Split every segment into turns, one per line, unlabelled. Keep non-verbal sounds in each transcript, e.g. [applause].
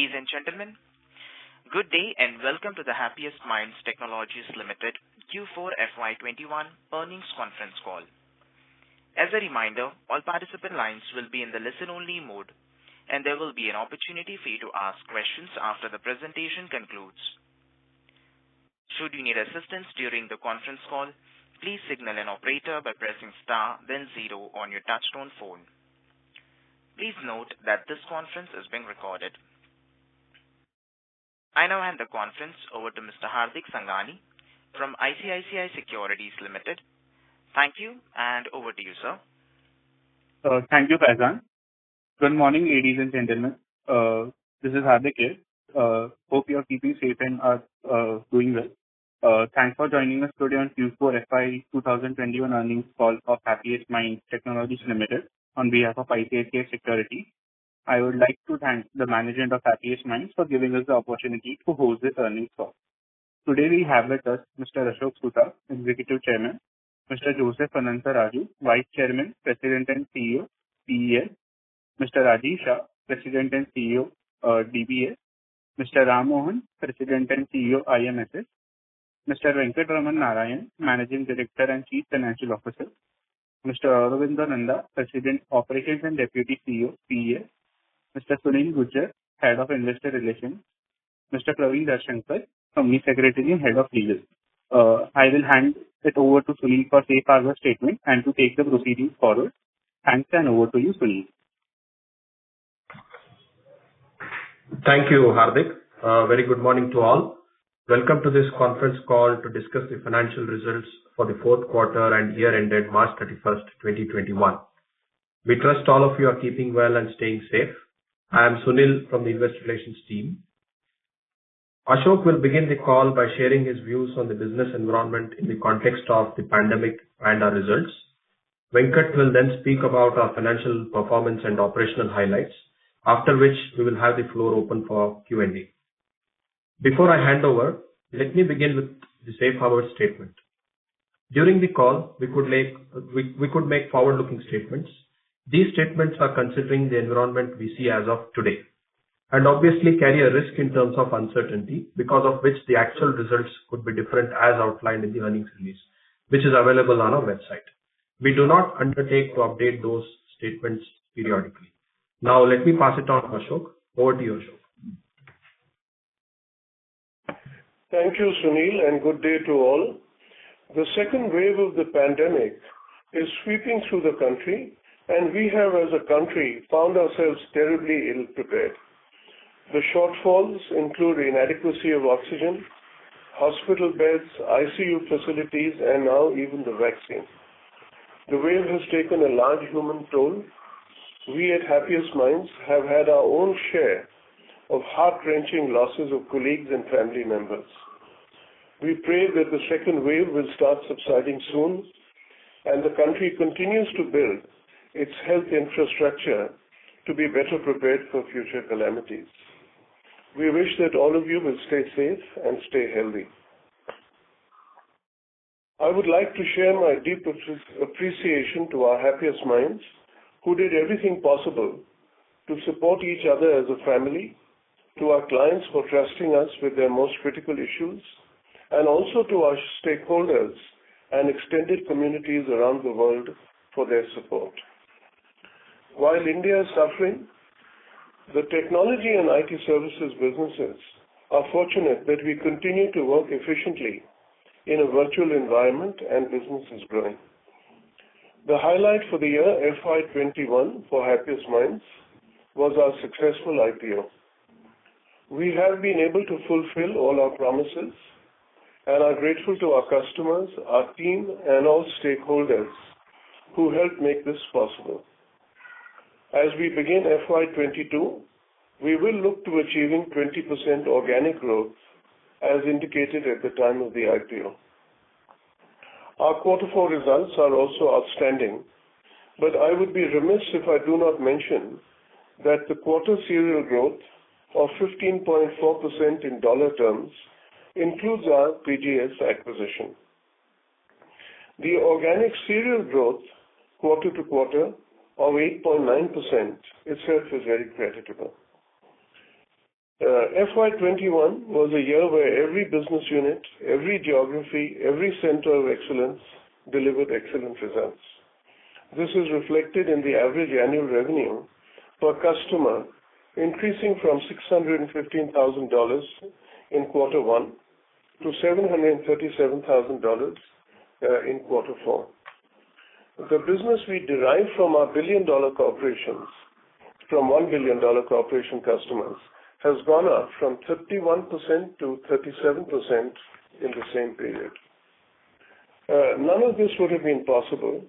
Ladies and gentlemen, good day and welcome to the Happiest Minds Technologies Limited Q4 FY 2021 earnings conference call. As a reminder, all participant lines will be in the listen-only mode, and there will be an opportunity for you to ask questions after the presentation concludes. Should you need assistance during the conference call, please signal an operator by pressing star then zero on your touch-tone phone. Please note that this conference is being recorded. I now hand the conference over to Mr. Hardik Sangani from ICICI Securities Limited. Thank you, and over to you, sir.
Thank you, Faizan. Good morning, ladies and gentlemen. This is Hardik. Hope you are keeping safe and are doing well. Thanks for joining us today on Q4 FY 2021 earnings call of Happiest Minds Technologies Limited on behalf of ICICI Securities. I would like to thank the management of Happiest Minds for giving us the opportunity to host this earnings call. Today we have with us Mr. Ashok Soota, Executive Chairman; Mr. Joseph Anantharaju, Vice Chairman, President, and CEO, PES; Mr. Rajiv Shah, President and CEO, DBS; Mr. Ram Mohan, President and CEO, IMSS; Mr. Venkatraman Narayanan, Managing Director and Chief Financial Officer; Mr. Aurobinda Nanda, President Operations and Deputy CEO, PES; Mr. Sunil Gujjar, Head of Investor Relations; Mr. Praveen Darshankar, Company Secretary and Head of Legal. I will hand it over to Sunil for safe harbor statement and to take the proceedings forward. Thanks, and over to you, Sunil.
Thank you, Hardik. A very good morning to all. Welcome to this conference call to discuss the financial results for the fourth quarter and year ended March 31st, 2021. We trust all of you are keeping well and staying safe. I am Sunil from the investor relations team. Ashok will begin the call by sharing his views on the business environment in the context of the pandemic and our results. Venkat will speak about our financial performance and operational highlights, after which we will have the floor open for Q&A. Before I hand over, let me begin with the safe harbor statement. During the call, we could make forward-looking statements. These statements are considering the environment we see as of today and obviously carry a risk in terms of uncertainty, because of which the actual results could be different as outlined in the earnings release, which is available on our website. We do not undertake to update those statements periodically. Let me pass it on to Ashok. Over to you, Ashok.
Thank you, Sunil. Good day to all. The second wave of the pandemic is sweeping through the country, and we have, as a country, found ourselves terribly ill-prepared. The shortfalls include inadequacy of oxygen, hospital beds, ICU facilities, and now even the vaccine. The wave has taken a large human toll. We at Happiest Minds have had our own share of heart-wrenching losses of colleagues and family members. We pray that the second wave will start subsiding soon, and the country continues to build its health infrastructure to be better prepared for future calamities. We wish that all of you will stay safe and stay healthy. I would like to share my deep appreciation to our Happiest Minds, who did everything possible to support each other as a family, to our clients for trusting us with their most critical issues, and also to our stakeholders and extended communities around the world for their support. While India is suffering, the technology and IT services businesses are fortunate that we continue to work efficiently in a virtual environment, and business is growing. The highlight for the year FY 2021 for Happiest Minds was our successful IPO. We have been able to fulfill all our promises and are grateful to our customers, our team, and all stakeholders who helped make this possible. As we begin FY 2022, we will look to achieving 20% organic growth as indicated at the time of the IPO. Our quarter four results are also outstanding. I would be remiss if I do not mention that the quarter serial growth of 15.4% in dollar terms includes our PGS acquisition. The organic serial growth quarter-to-quarter of 8.9% itself is very creditable. FY 2021 was a year where every business unit, every geography, every Center of Excellence delivered excellent results. This is reflected in the average annual revenue per customer increasing from $615,000 in quarter one to $737,000 in quarter four. The business we derive from our billion-dollar corporations, from one-billion-dollar corporation customers, has gone up from 31% to 37% in the same period. None of this would have been possible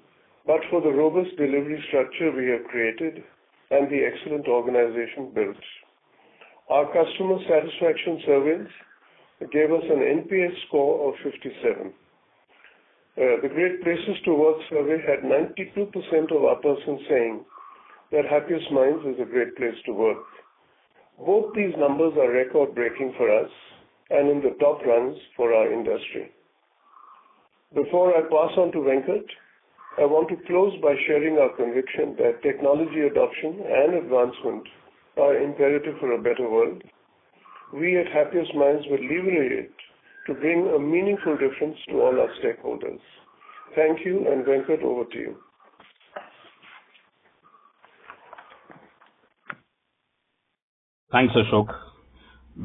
but for the robust delivery structure we have created and the excellent organization built. Our customer satisfaction surveys gave us an NPS score of 57. The Great Place to Work survey had 92% of our persons saying that Happiest Minds is a great place to work. Both these numbers are record-breaking for us and in the top ranks for our industry. Before I pass on to Venkat, I want to close by sharing our conviction that technology adoption and advancement are imperative for a better world. We at Happiest Minds will leverage it to bring a meaningful difference to all our stakeholders. Thank you, and Venkat, over to you.
Thanks, Ashok.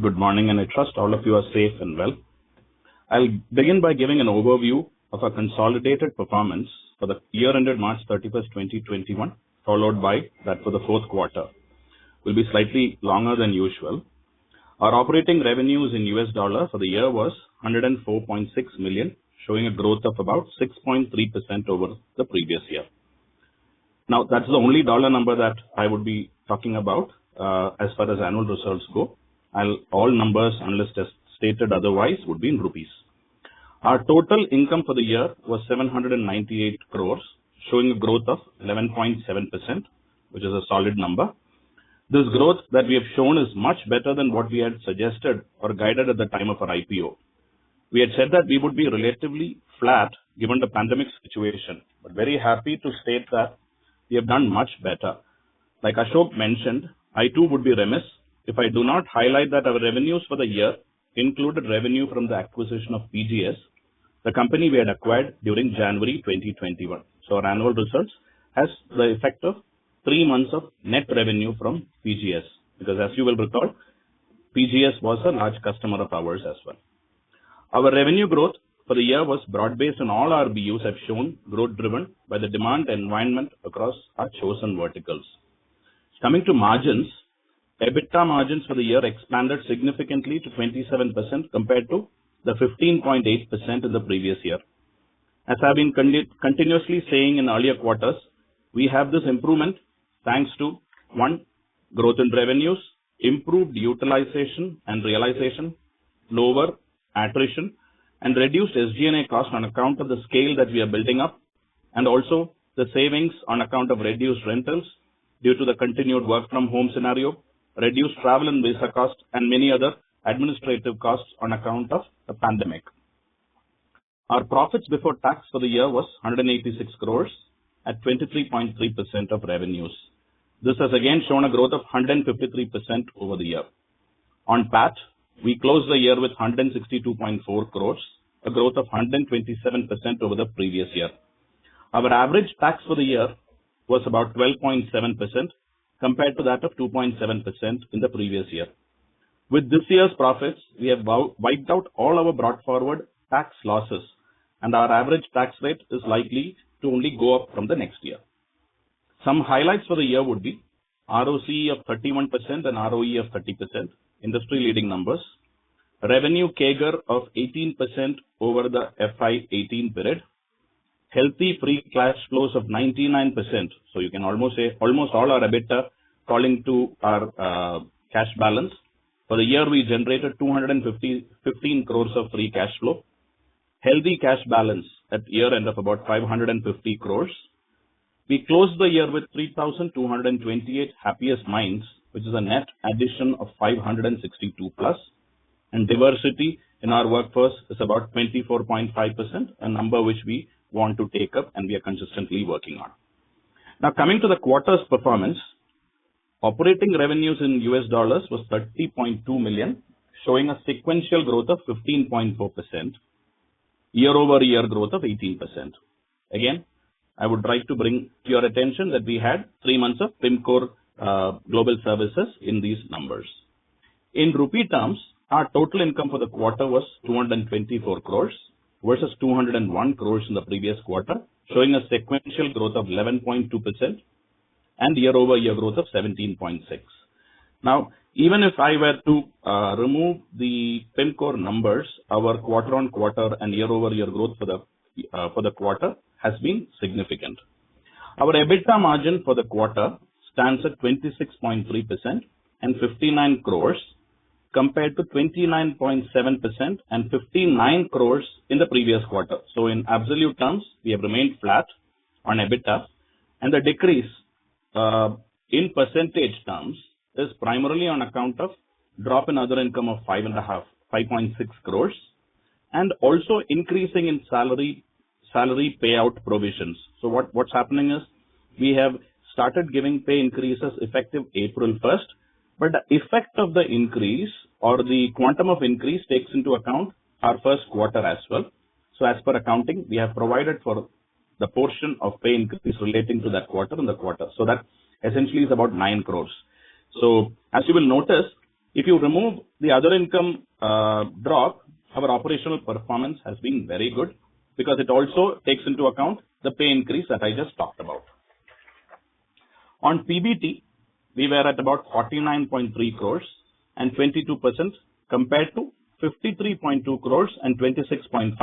Good morning, and I trust all of you are safe and well. I'll begin by giving an overview of our consolidated performance for the year ended March 31st, 2021, followed by that for the fourth quarter. We'll be slightly longer than usual. Our operating revenues for the year was $104.6 million, showing a growth of about 6.3% over the previous year. That's the only dollar number that I would be talking about as far as annual results go. All numbers, unless stated otherwise, would be in rupees. Our total income for the year was 798 crores, showing a growth of 11.7%, which is a solid number. This growth that we have shown is much better than what we had suggested or guided at the time of our IPO. We had said that we would be relatively flat given the pandemic situation, but very happy to state that we have done much better. Like Ashok mentioned, I, too, would be remiss if I do not highlight that our revenues for the year included revenue from the acquisition of PGS, the company we had acquired during January 2021. Our annual results has the effect of three months of net revenue from PGS, because as you will recall, PGS was a large customer of ours as well. Our revenue growth for the year was broad-based, and all our BUs have shown growth driven by the demand environment across our chosen verticals. Coming to margins, EBITDA margins for the year expanded significantly to 27% compared to the 15.8% in the previous year. As I've been continuously saying in earlier quarters, we have this improvement thanks to, one, growth in revenues, improved utilization and realization, lower attrition, and reduced SG&A costs on account of the scale that we are building up, and also the savings on account of reduced rentals due to the continued work-from-home scenario, reduced travel and visa costs, and many other administrative costs on account of the pandemic. Our profits before tax for the year was 186 crores at 23.3% of revenues. This has again shown a growth of 153% over the year. On PAT, we closed the year with 162.4 crores, a growth of 127% over the previous year. Our average tax for the year was about 12.7% compared to that of 2.7% in the previous year. With this year's profits, we have wiped out all our brought forward tax losses, and our average tax rate is likely to only go up from the next year. Some highlights for the year would be ROCE of 31% and ROE of 30%, industry-leading numbers. Revenue CAGR of 18% over the FY 2018 period. Healthy free cash flows of 99%. You can almost say almost all our EBITDA falling to our cash balance. For the year, we generated 215 crores of free cash flow. Healthy cash balance at year end of about 550 crores. We closed the year with 3,228 Happiest Minds, which is a net addition of 562+, and diversity in our workforce is about 24.5%, a number which we want to take up and we are consistently working on. Coming to the quarter's performance. Operating revenues was $30.2 million, showing a sequential growth of 15.4%, year-over-year growth of 18%. I would like to bring to your attention that we had three months of Pimcore Global Services in these numbers. In rupee terms, our total income for the quarter was 224 crores versus 201 crores in the previous quarter, showing a sequential growth of 11.2% and year-over-year growth of 17.6%. Even if I were to remove the Pimcore numbers, our quarter-on-quarter and year-over-year growth for the quarter has been significant. Our EBITDA margin for the quarter stands at 26.3% and 59 crores compared to 29.7% and 59 crores in the previous quarter. In absolute terms, we have remained flat on EBITDA, and the decrease, in percentage terms, is primarily on account of drop in other income of 5.6 crores and also increasing in salary payout provisions. What's happening is we have started giving pay increases effective April 1st, but the effect of the increase or the quantum of increase takes into account our first quarter as well. As per accounting, we have provided for the portion of pay increase relating to that quarter in the quarter. That essentially is about 9 crores. As you will notice, if you remove the other income drop, our operational performance has been very good because it also takes into account the pay increase that I just talked about. On PBT, we were at about 49.3 crores and 22% compared to 53.2 crores and 26.5%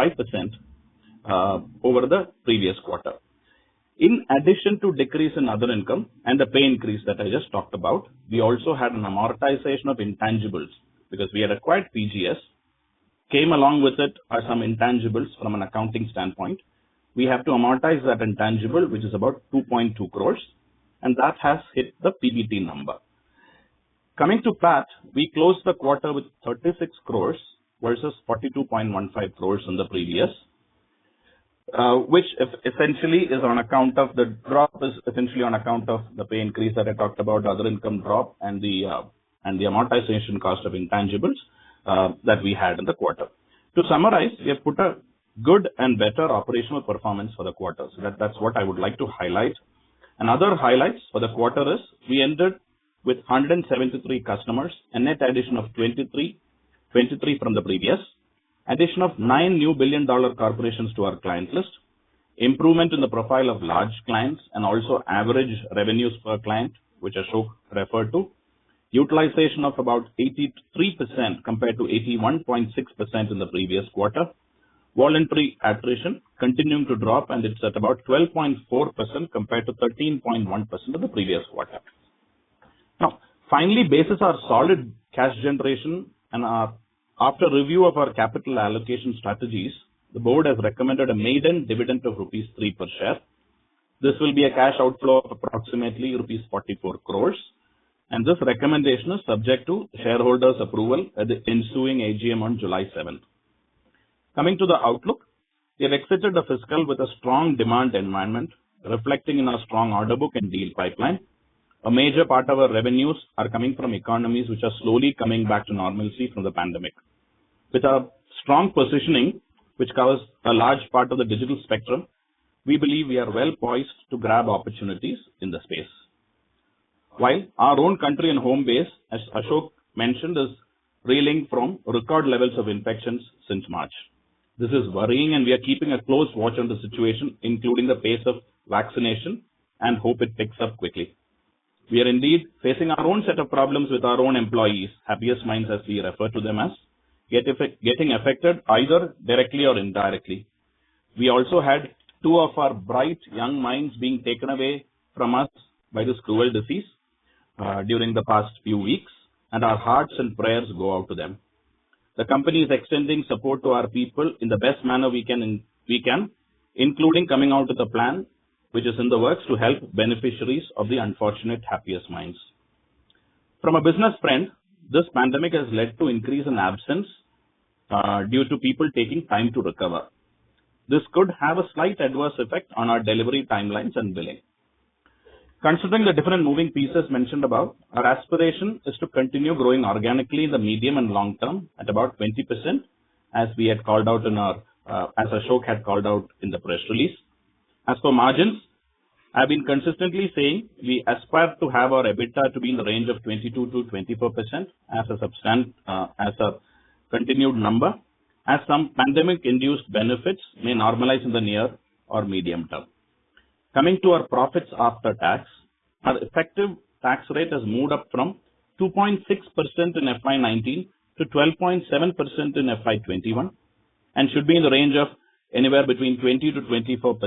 over the previous quarter. In addition to decrease in other income and the pay increase that I just talked about, we also had an amortization of intangibles because we had acquired PGS. Came along with it are some intangibles from an accounting standpoint. We have to amortize that intangible, which is about 2.2 crores, and that has hit the PBT number. Coming to PAT, we closed the quarter with 36 crores, versus 42.15 crores in the previous. The drop is essentially on account of the pay increase that I talked about, other income drop, and the amortization cost of intangibles that we had in the quarter. To summarize, we have put a good and better operational performance for the quarter. That's what I would like to highlight. Another highlight for the quarter is we ended with 173 customers, a net addition of 23 from the previous. Addition of nine new billion-dollar corporations to our client list. Improvement in the profile of large clients, and also average revenues per client, which Ashok referred to. Utilization of about 83% compared to 81.6% in the previous quarter. Voluntary attrition continuing to drop, it's at about 12.4% compared to 13.1% in the previous quarter. Finally, basis our solid cash generation and after review of our capital allocation strategies, the board has recommended a maiden dividend of rupees 3 per share. This will be a cash outflow of approximately rupees 44 crores, this recommendation is subject to shareholders' approval at the ensuing AGM on July 7th. Coming to the outlook. We have exited the fiscal with a strong demand environment, reflecting in our strong order book and deal pipeline. A major part of our revenues are coming from economies which are slowly coming back to normalcy from the pandemic. With our strong positioning, which covers a large part of the digital spectrum, we believe we are well-poised to grab opportunities in the space. While our own country and home base, as Ashok mentioned, is reeling from record levels of infections since March. This is worrying, and we are keeping a close watch on the situation, including the pace of vaccination, and hope it picks up quickly. We are indeed facing our own set of problems with our own employees, Happiest Minds, as we refer to them, as getting affected either directly or indirectly. We also had two of our bright young minds being taken away from us by this cruel disease during the past few weeks, and our hearts and prayers go out to them. The company is extending support to our people in the best manner we can, including coming out with a plan which is in the works to help beneficiaries of the unfortunate Happiest Minds. From a business front, this pandemic has led to increase in absence due to people taking time to recover. This could have a slight adverse effect on our delivery timelines and billing. Considering the different moving pieces mentioned above, our aspiration is to continue growing organically in the medium and long term at about 20%, as Ashok had called out in the press release. As for margins, I've been consistently saying we aspire to have our EBITDA to be in the range of 22%-24% as a continued number, as some pandemic-induced benefits may normalize in the near or medium term. Coming to our profits after tax, our effective tax rate has moved up from 2.6% in FY 2019 to 12.7% in FY 2021, and should be in the range of anywhere between 20%-24%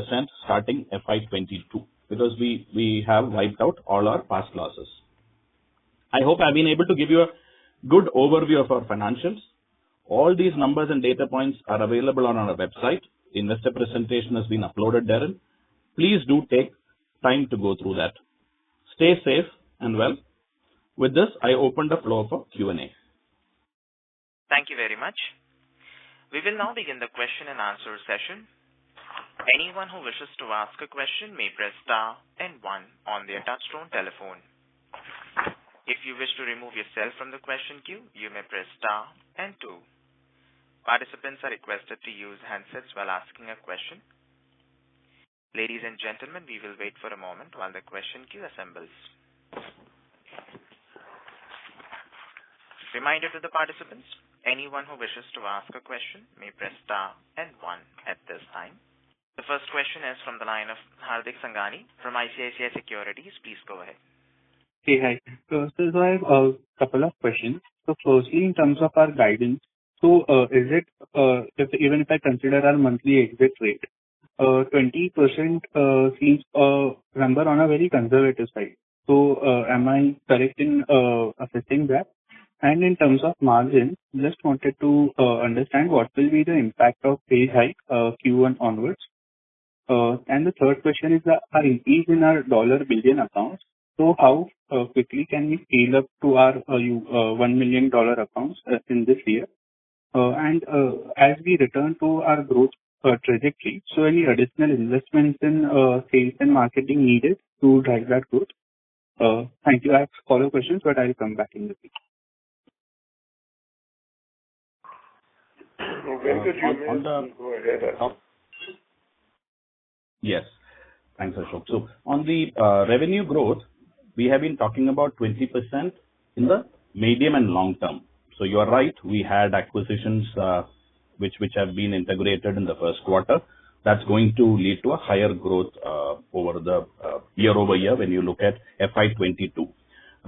starting FY 2022, because we have wiped out all our past losses. I hope I've been able to give you a good overview of our financials. All these numbers and data points are available on our website. Investor presentation has been uploaded therein. Please do take time to go through that. Stay safe and well. With this, I open the floor for Q&A.
Thank you very much. We will now begin the question-and-answer session. Anyone who wishes to ask a question may press star and one on your touch-tone telephone. If you wish to remove yourself from the question queue, you may press star and two. Participants are requested to use handsets while asking a question. Ladies and gentlemen, we will wait for a moment while the question queue assembles. Reminder to the participants, anyone who wishes to ask a question may press star and one at this time. The first question is from the line of Hardik Sangani from ICICI Securities. Please go ahead.
Hey, hi. I have a couple of questions. Firstly, in terms of our guidance, even if I consider our monthly exit rate, 20% seems a number on a very conservative side. Am I correct in assessing that? In terms of margin, just wanted to understand what will be the impact of pay hike Q1 onwards. The third question is that our increase in our dollar billion accounts, so how quickly can we scale up to our $1 million accounts in this year? As we return to our growth trajectory, so any additional investments in sales and marketing needed to drive that growth? Thank you. I have follow-up questions, but I'll come back in the queue.
[crosstalk] On the-
Go ahead.
Yes. Thanks, Ashok. On the revenue growth, we have been talking about 20% in the medium and long term. You are right, we had acquisitions which have been integrated in the first quarter. That's going to lead to a higher growth year-over-year when you look at FY 2022.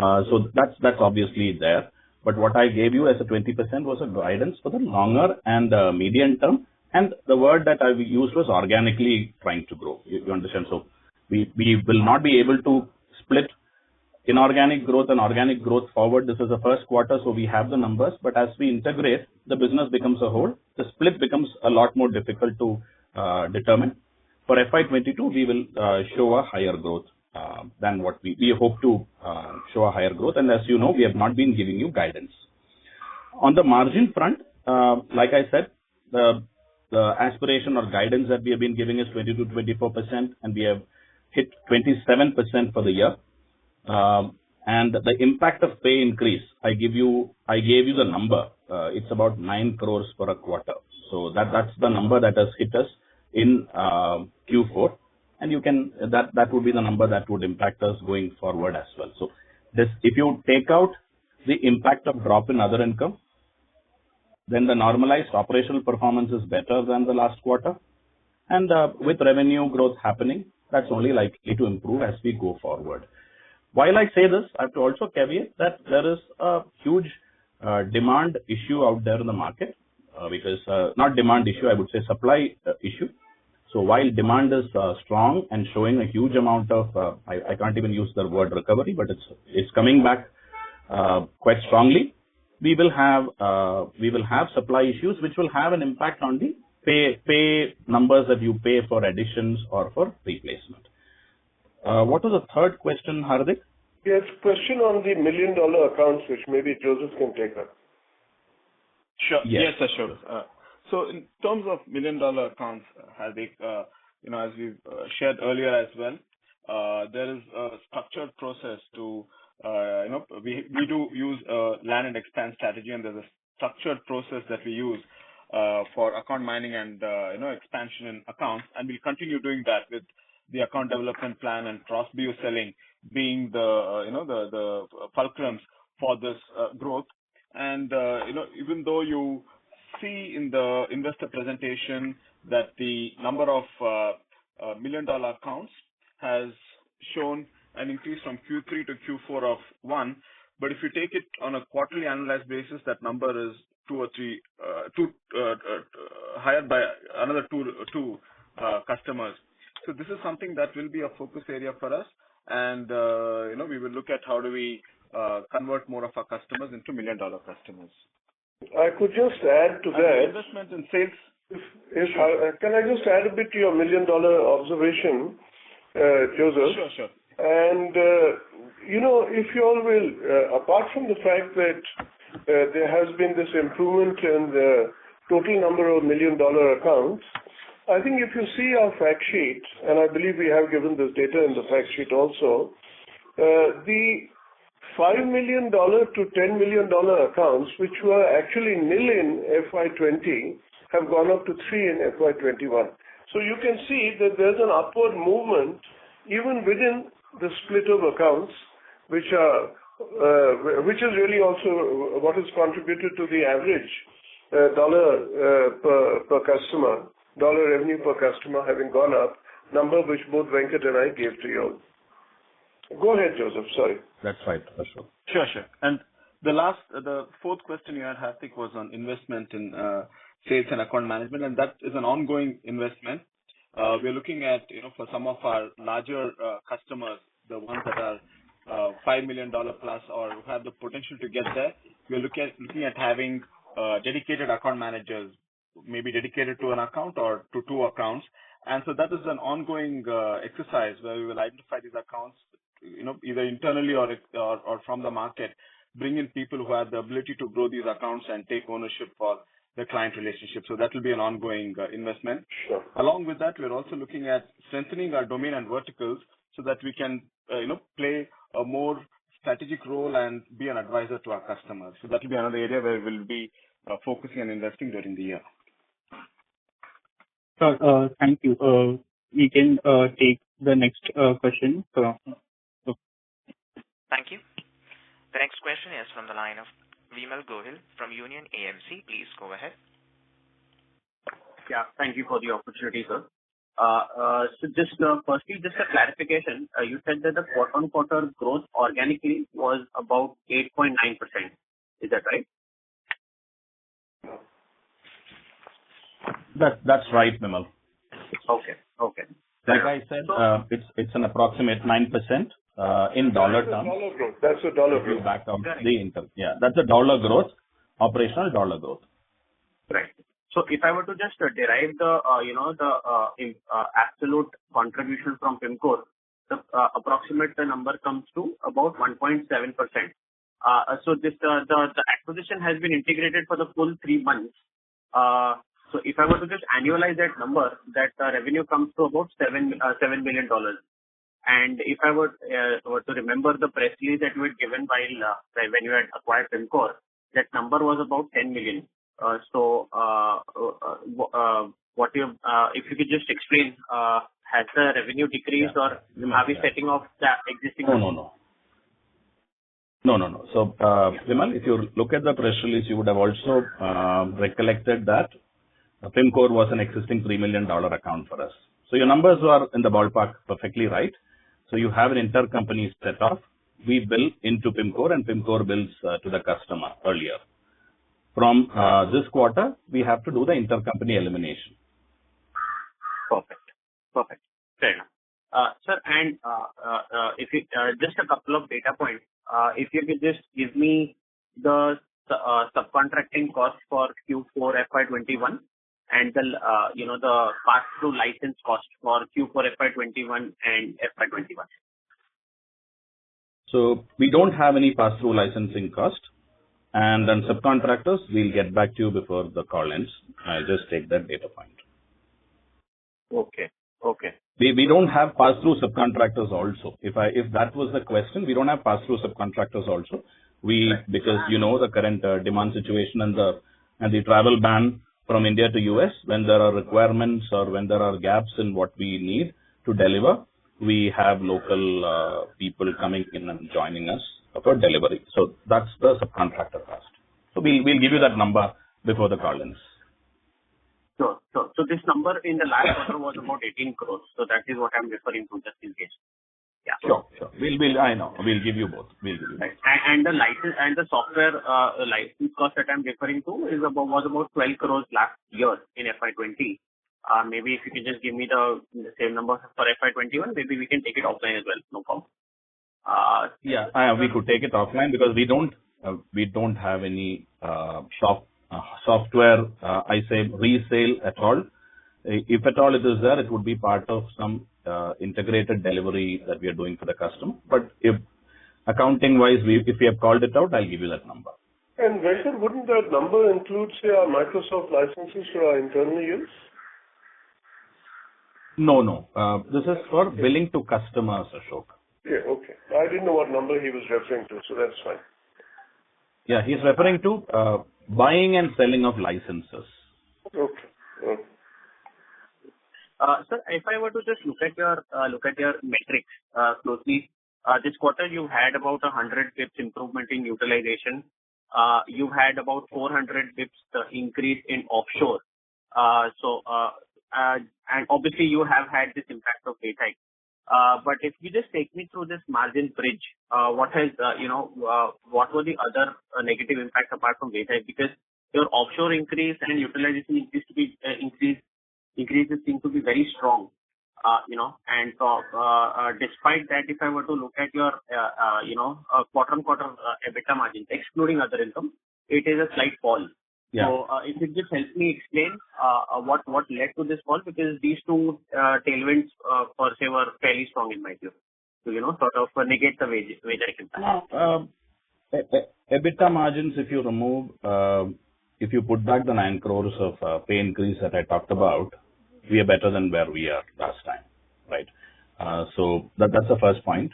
That's obviously there. What I gave you as a 20% was a guidance for the longer and medium term. The word that I've used was organically trying to grow, you understand? We will not be able to split inorganic growth and organic growth forward. This is the first quarter, so we have the numbers, but as we integrate, the business becomes a whole. The split becomes a lot more difficult to determine. For FY 2022, we hope to show a higher growth. As you know, we have not been giving you guidance. On the margin front, like I said, the aspiration or guidance that we have been giving is 20%-24%, and we have hit 27% for the year. The impact of pay increase, I gave you the number. It's about 9 crores per quarter. That's the number that has hit us in Q4, and that would be the number that would impact us going forward as well. If you take out the impact of drop in other income, then the normalized operational performance is better than the last quarter. With revenue growth happening, that's only likely to improve as we go forward. Why I say this, I have to also caveat that there is a huge demand issue out there in the market. Not demand issue, I would say supply issue. While demand is strong and showing a huge amount of, I can't even use the word recovery, but it's coming back quite strongly. We will have supply issues, which will have an impact on the pay numbers that you pay for additions or for replacement. What was the third question, Hardik?
Yes. Question on the million-dollar accounts, which maybe Joseph can take up.
Sure.
Yes.
Yes, Ashok. In terms of million-dollar accounts, Hardik, as we've shared earlier as well, there is a structured process. We do use a land and expand strategy, and there's a structured process that we use for account mining and expansion in accounts, and we'll continue doing that with the account development plan and [cross view selling] being the fulcrums for this growth. Even though you see in the investor presentation that the number of million-dollar accounts has shown an increase from Q3 to Q4 of one customer, but if you take it on a quarterly analyzed basis, that number is higher by another two customers. This is something that will be a focus area for us, and we will look at how do we convert more of our customers into million-dollar customers.
I could just add to that-
Investment in sales-
Can I just add a bit to your million-dollar observation, Joseph?
Sure.
Apart from the fact that there has been this improvement in the total number of million-dollar accounts, I think if you see our fact sheet—and I believe we have given this data in the fact sheet also—the $5 million-$10 million accounts, which were actually million FY 2020 have gone up to three accounts in FY 2021. You can see that there's an upward movement, even within the split of accounts, which is really also what has contributed to the average dollar revenue per customer having gone up. Number which both Venkat and I gave to you. Go ahead, Joseph. Sorry.
That's fine, Ashok.
Sure. The fourth question you had, Hardik, was on investment in sales and account management, and that is an ongoing investment. We're looking at, for some of our larger customers, the ones that are $5+ million or have the potential to get there. We're looking at having dedicated account managers, maybe dedicated to an account or to two accounts. That is an ongoing exercise where we will identify these accounts, either internally or from the market. Bring in people who have the ability to grow these accounts and take ownership for the client relationship. That will be an ongoing investment.
Sure.
Along with that, we're also looking at strengthening our domain and verticals so that we can play a more strategic role and be an advisor to our customers. That will be another area where we'll be focusing and investing during the year.
Sir, thank you. We can take the next question.
Thank you. The next question is from the line of Vimal Gohil from Union AMC. Please go ahead.
Thank you for the opportunity, sir. Firstly, just a clarification. You said that the quarter-on-quarter growth organically was about 8.9%. Is that right?
That's right, Vimal.
Okay.
Like I said, it's an approximate 9% in dollar terms.
That's the dollar growth.
Yeah, that's the dollar growth, operational dollar growth.
Right. If I were to just derive the absolute contribution from Pimcore, the approximate number comes to about 1.7%. The acquisition has been integrated for the full three months. If I were to just annualize that number, that revenue comes to about $7 million. If I were to remember the press release that you had given when you had acquired Pimcore, that number was about $10 million. If you could just explain, has the revenue decreased or are we setting off the existing-
No. Vimal, if you look at the press release, you would have also recollected that Pimcore was an existing $3 million account for us. Your numbers are in the ballpark perfectly right. You have an intercompany set off. We bill into Pimcore, and Pimcore bills to the customer earlier. From this quarter, we have to do the intercompany elimination.
Perfect. Just a couple of data points. If you could just give me the subcontracting cost for Q4 FY 2021 and the pass-through license cost for Q4 FY 2021 and FY 2021.
We don't have any pass-through licensing cost, and then subcontractors, we'll get back to you before the call ends. I'll just take that data point.
Okay.
We don't have pass-through subcontractors also. If that was the question, we don't have pass-through subcontractors also. You know the current demand situation and the travel ban from India to U.S., when there are requirements or when there are gaps in what we need to deliver, we have local people coming in and joining us for delivery. That's the subcontractor cost. We'll give you that number before the call ends.
This number in the last quarter was about 18 crores, so that is what I'm referring to, just in case.
Sure. I know. We'll give you both.
The software license cost that I'm referring to is about 12 crores last year in FY 2020. Maybe if you could just give me the same numbers for FY 2021, maybe we can take it offline as well.
We could take it offline because we don't have any software resale at all. If at all it is there, it would be part of some integrated delivery that we are doing for the customer. Accounting-wise, if you have called it out, I'll give you that number.
Venkat, wouldn't that number include Microsoft licenses for our internal use?
No. This is for billing to customers, Ashok.
Okay. I didn't know what number he was referring to, so that's fine.
He's referring to buying and selling of licenses.
Okay.
Sir, if I were to just look at your metrics closely. This quarter, you had about 100 basis points improvement in utilization. You had about 400 basis points increase in offshore. Obviously, you have had this impact of pay hike. If you just take me through this margin bridge, what were the other negative impacts apart from pay hike? Because your offshore increase and utilization increases seem to be very strong. Despite that, if I were to look at your bottom quarter EBITDA margin, excluding other income, it is a slight fall. If you could just help me explain what led to this fall, because these two tailwinds for [offshore] are fairly strong in my view, sort of negate the wage hike impact.
EBITDA margins, if you put back the 9 crores of pay increase that I talked about, we are better than where we are last time. That's the first point.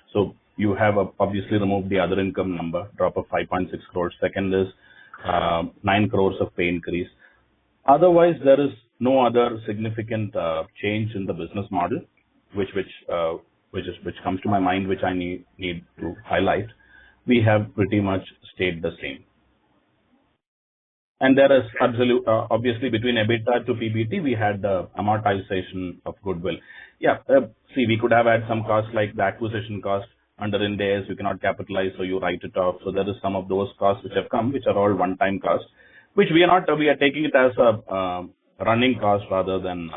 You have obviously removed the other income number, drop of 5.6 crores. Second is 9 crores of pay increase. Otherwise, there is no other significant change in the business model, which comes to my mind, which I need to highlight. We have pretty much stayed the same. There is obviously, between EBITDA to PBT, we had the amortization of goodwill. We could have had some costs like the acquisition cost under Ind AS, we cannot capitalize, so you write it off. There is some of those costs which have come, which are all one-time costs. Which we are taking it as a running cost rather than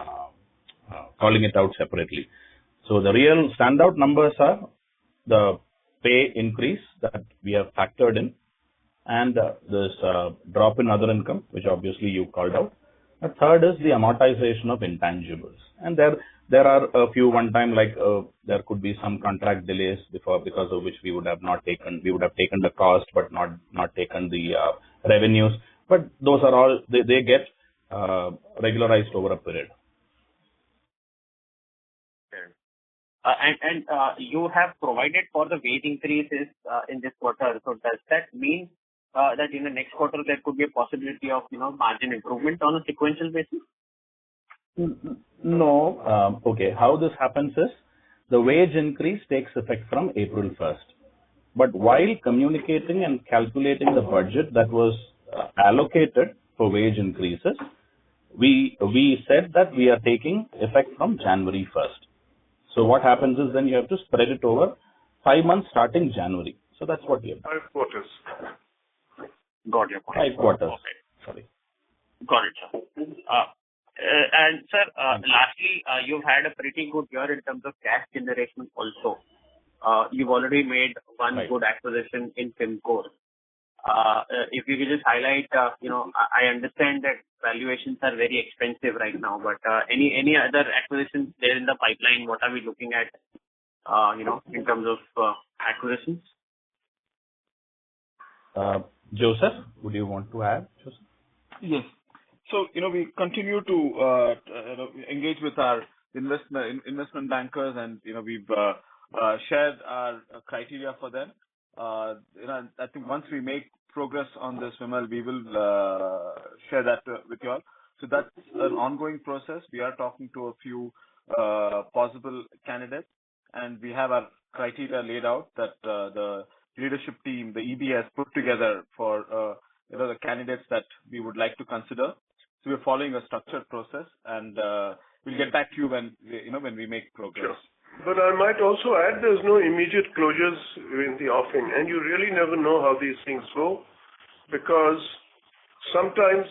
calling it out separately. The real standout numbers are the pay increase that we have factored in and this drop in other income, which obviously you called out. The third is the amortization of intangibles. There are a few one-time, like there could be some contract delays because of which we would have taken the cost but not taken the revenues. Those are all—They get regularized over a period.
You have provided for the wage increases in this quarter. Does that mean that in the next quarter, there could be a possibility of margin improvement on a sequential basis?
No. Okay, how this happens is the wage increase takes effect from April 1st. While communicating and calculating the budget that was allocated for wage increases, we said that we are taking effect from January 1st. What happens is then you have to spread it over five months starting January. That's what we have done.
Five quarters.
Got it.
Five quarters. Sorry.
Got it. Sir, lastly, you had a pretty good year in terms of cash generation also. You've already made one good acquisition in Pimcore. If you could just highlight, I understand that valuations are very expensive right now, any other acquisitions there in the pipeline? What are we looking at in terms of acquisitions?
Joseph, would you want to add?
Yes. We continue to engage with our investment bankers, and we've shared our criteria for them. Once we make progress on this, Vimal, we will share that with you all. That's an ongoing process. We are talking to a few possible candidates, and we have a criteria laid out that the leadership team, the EB, has put together for the candidates that we would like to consider. We're following a structured process, and we'll get back to you when we make progress.
Sure.
I might also add, there's no immediate closures in the offing, and you really never know how these things go. Sometimes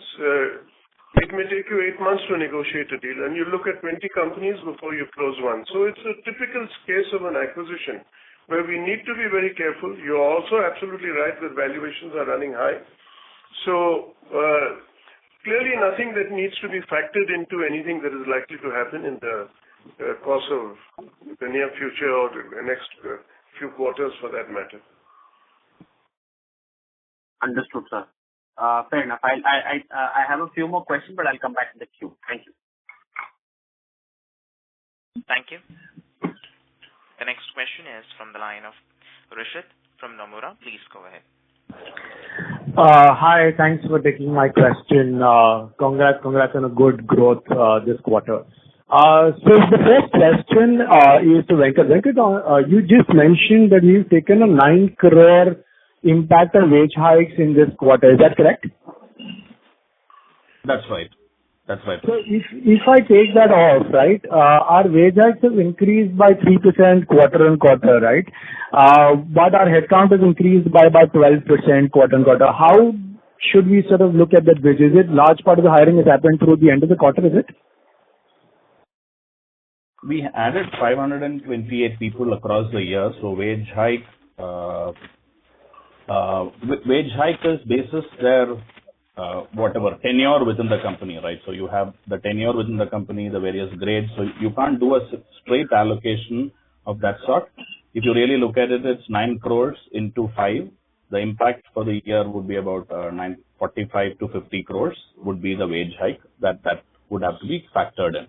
it may take you eight months to negotiate a deal, and you look at 20 companies before you close one. It's a typical case of an acquisition where we need to be very careful. You're also absolutely right that valuations are running high. Clearly nothing that needs to be factored into anything that is likely to happen in the course of the near future or the next few quarters, for that matter.
Understood, sir. Fair enough. I have a few more questions, but I'll come back in the queue. Thank you.
Thank you. The next question is from the line of Rishit from Nomura. Please go ahead.
Hi. Thanks for taking my question. Congrats on a good growth this quarter. The first question is to Venkat. Venkat, you just mentioned that you've taken a 9 crores impact on wage hikes in this quarter. Is that correct?
That's right.
If I take that off, our wage hikes have increased by 3% quarter-on-quarter. Our headcount has increased by about 12% quarter-on-quarter. How should we sort of look at that [bridge]? Is it large part of the hiring has happened towards the end of the quarter, is it?
We added 528 people across the year. Wage hike is based on their tenure within the company. You have the tenure within the company, the various grades. You can't do a straight allocation of that sort. If you really look at it's 9 crores into 5 crores. The impact for the year would be about 45 crores-50 crores would be the wage hike that would have to be factored in.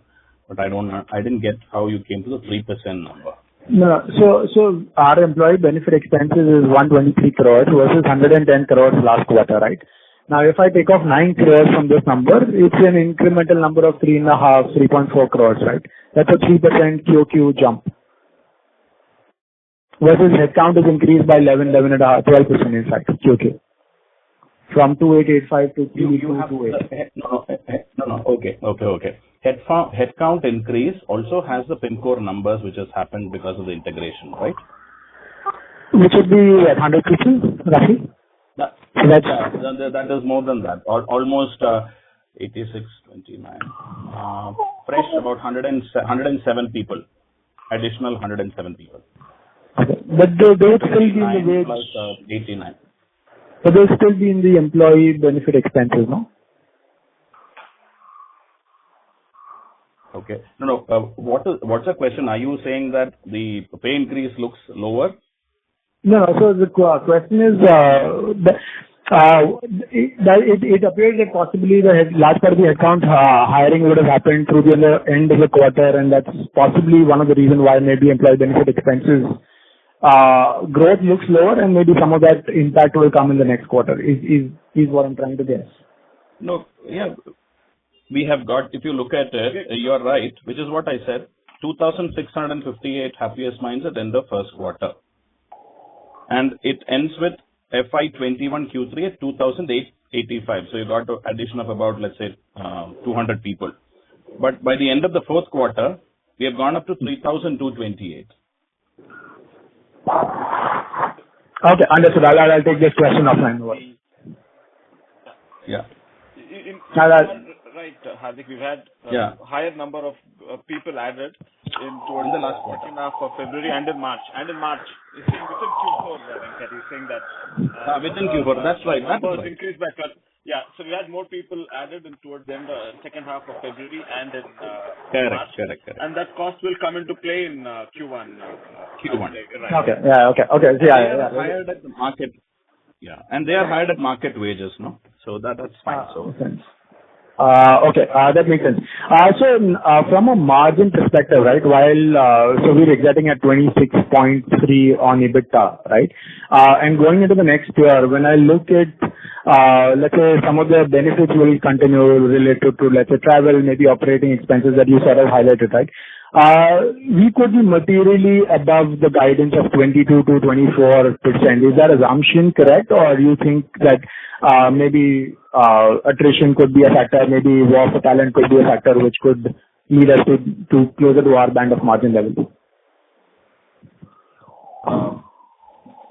I didn't get how you came to the 3% number.
No. Our employee benefit expenses is 123 crores versus 110 crores last quarter. Now, if I take off 9 crores from this number, it's an incremental number of 3.5 crores, 3.4 crores. That's a 3% QoQ jump. Versus headcount has increased by 11%-12%, in fact, QoQ. From 2,885 to 3,228.
No, no. Okay. Headcount increase also has the Pimcore numbers, which has happened because of the integration.
Which would be at 150 headcount, right?
No, that is more than that. Almost 86, 89... Fresh, about 107 people. Additional 107 people.
Okay.
[18] + 89 people.
They'll still be in the employee benefit expenses, no?
Okay. No, no. What's your question? Are you saying that the pay increase looks lower?
No. The question is, it appears that possibly the large part of the headcount hiring would have happened towards the end of the quarter, and that's possibly one of the reason why maybe employee benefit expenses growth looks lower, and maybe some of that impact will come in the next quarter, is what I'm trying to guess.
No. If you look at it, you are right, which is what I said. 2,658 Happiest Minds at the end of first quarter. It ends with FY 2021 Q3 at 2,885. You've got addition of about, let's say, 200 people. By the end of the fourth quarter, we have gone up to 3,228.
Okay, understood. I'll take this question offline. Over.
You're right, you have a higher number of people added in towards-
In the last quarter....
second half of February, end of March. End of March. It's in Q4, Venkat.
Within Q4. That's right.
Headcount was increased by 12. We had more people added in towards the end of second half of February and in March.
Correct.
That cost will come into play in Q1.
Q1, correct.
Right.
Okay.
Hired at the market-
They are hired at market wages. That is fine.
That makes sense. From a margin perspective, we're exiting at 26.3% on EBITDA. Going into the next year, when I look at, let's say some of the benefits will continue related to, let's say travel, maybe operating expenses that you sort of highlighted. We could be materially above the guidance of 22%-24%. Is that assumption correct? Or do you think that maybe attrition could be a factor, maybe war for talent could be a factor which could lead us to closer to our band of margin level?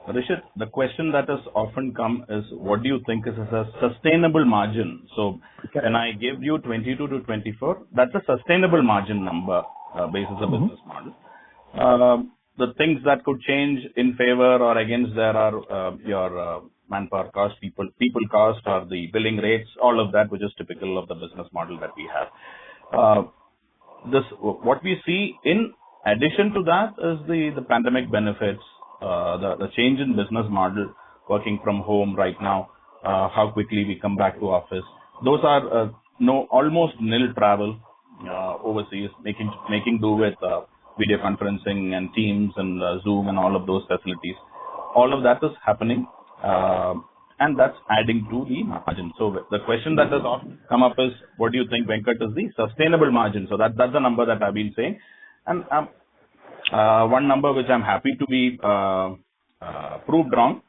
Rishit, the question that has often come is what do you think is a sustainable margin? When I give you 22%-24%, that's a sustainable margin number based on business model. The things that could change in favor or against that are your manpower cost, people cost or the billing rates, all of that, which is typical of the business model that we have. What we see in addition to that is the pandemic benefits, the change in business model, working from home right now, how quickly we come back to office. Those are almost nil travel overseas, making do with video conferencing and Teams and Zoom and all of those facilities. All of that is happening, and that's adding to the margin. The question that has often come up is, what do you think, Venkat, is the sustainable margin? That's the number that I've been saying. One number which I'm happy to be proved wrong,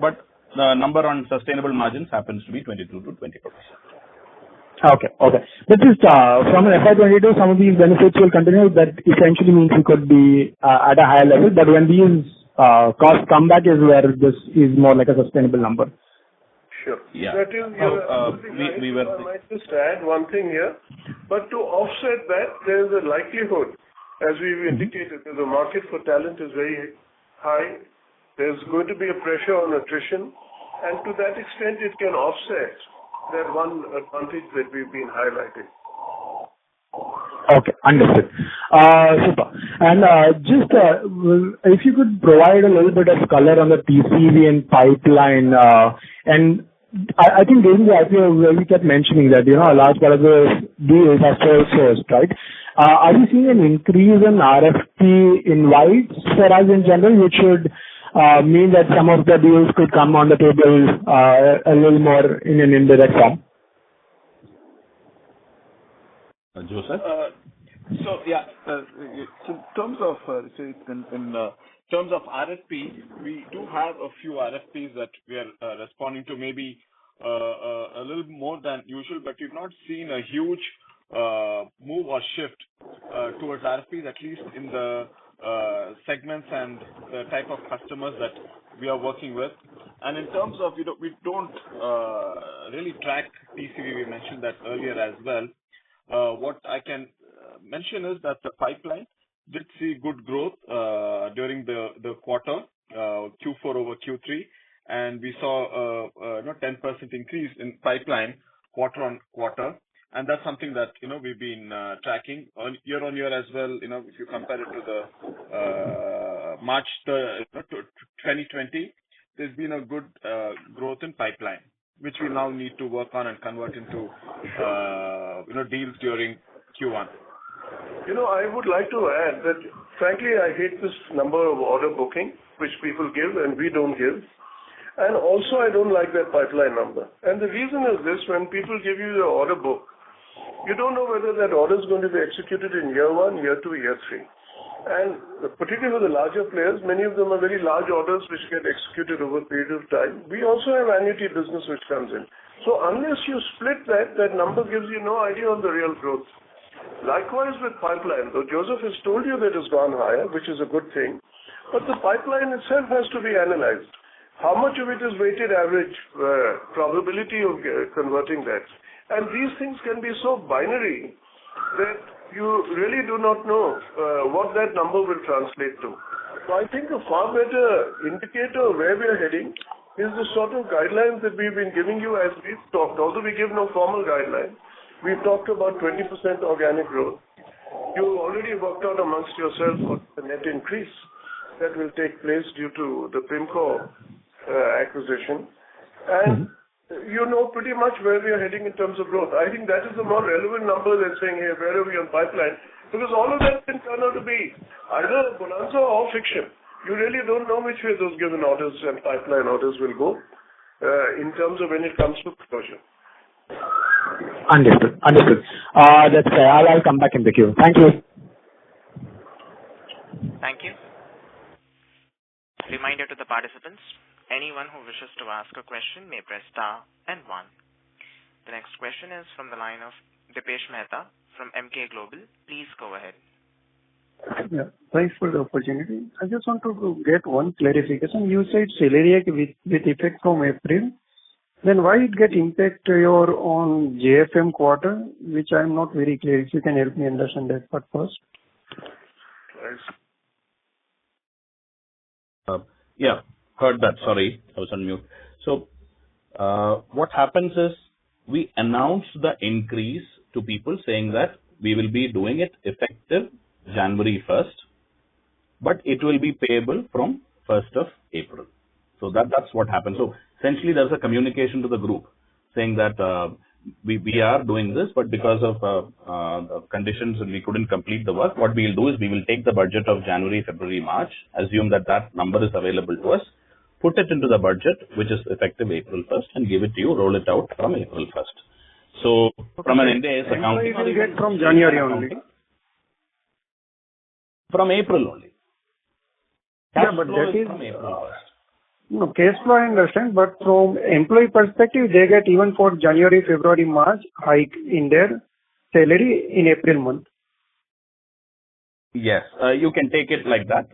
but the number on sustainable margins happens to be 22%-24%.
Okay. This is from an FY 2022, some of these benefits will continue, that essentially means you could be at a higher level, but when these costs come back is where this is more like a sustainable number.
Sure.
Yeah.
That is absolutely right. I might just add one thing here. To offset that, there's a likelihood, as we've indicated, that the market for talent is very high. There's going to be a pressure on attrition, and to that extent, it can offset that one advantage that we've been highlighting.
Okay, understood. Super. Just if you could provide a little bit of color on the TCV and pipeline. I think during the IPO, we kept mentioning that a large part of those deals are sole source. Are you seeing an increase in RFP invites for us in general, which would mean that some of the deals could come on the table a little more in an indirect way?
Joseph?
In terms of RFPs, we do have a few RFPs that we are responding to, maybe a little more than usual. We've not seen a huge move or shift towards RFPs, at least in the segments and the type of customers that we are working with. We don't really track TCV, we mentioned that earlier as well. What I can mention is that the pipeline did see good growth during the quarter Q4 over Q3, and we saw a 10% increase in pipeline quarter-on-quarter. That's something that we've been tracking. Year-on-year as well, if you compare it to March 2020, there's been a good growth in pipeline. Which we now need to work on and convert into deals during Q1.
I would like to add that frankly, I hate this number of order booking which people give and we don't give. Also I don't like that pipeline number. The reason is this, when people give you the order book, you don't know whether that order is going to be executed in year one, year two, year three. Particularly with the larger players, many of them are very large orders which get executed over a period of time. We also have annuity business which comes in. Unless you split that, that number gives you no idea of the real growth. Likewise with pipeline. Though Joseph has told you that it's gone higher, which is a good thing. The pipeline itself has to be analyzed. How much of it is weighted average probability of converting that? These things can be so binary that you really do not know what that number will translate to. I think a far better indicator of where we are heading is the sort of guidelines that we've been giving you as we've talked. Although we give no formal guidelines, we've talked about 20% organic growth. You already worked out amongst yourselves what the net increase that will take place due to the Pimcore acquisition. You know pretty much where we are heading in terms of growth. I think that is a more relevant number than saying, hey, where are we on pipeline? All of that can turn out to be either a bonanza or fiction. You really don't know which way those given orders and pipeline orders will go in terms of when it comes to conversion.
Understood. That's fair. I'll come back in the queue. Thank you.
Thank you. Reminder to the participants, anyone who wishes to ask a question may press star and one. The next question is from the line of Dipesh Mehta from Emkay Global. Please go ahead.
Thanks for the opportunity. I just want to get one clarification. You said salary hike with effect from April. Why it get impact to your own JFM quarter, which I am not very clear. If you can help me understand that part first.
Heard that. Sorry, I was on mute. What happens is we announce the increase to people saying that we will be doing it effective January 1st, but it will be payable from 1st of April. That's what happened. Essentially, there was a communication to the group saying that we are doing this, but because of conditions and we couldn't complete the work, what we'll do is we will take the budget of January, February, March, assume that that number is available to us, put it into the budget, which is effective April 1st, and give it to you, roll it out from April 1st. From an India's account-
Employee will get from January only?
From April only.
That is-
Cash flow is from April.
No, cash flow I understand, from employee perspective, they get even for January, February, March hike in their salary in April month.
Yes. You can take it like that.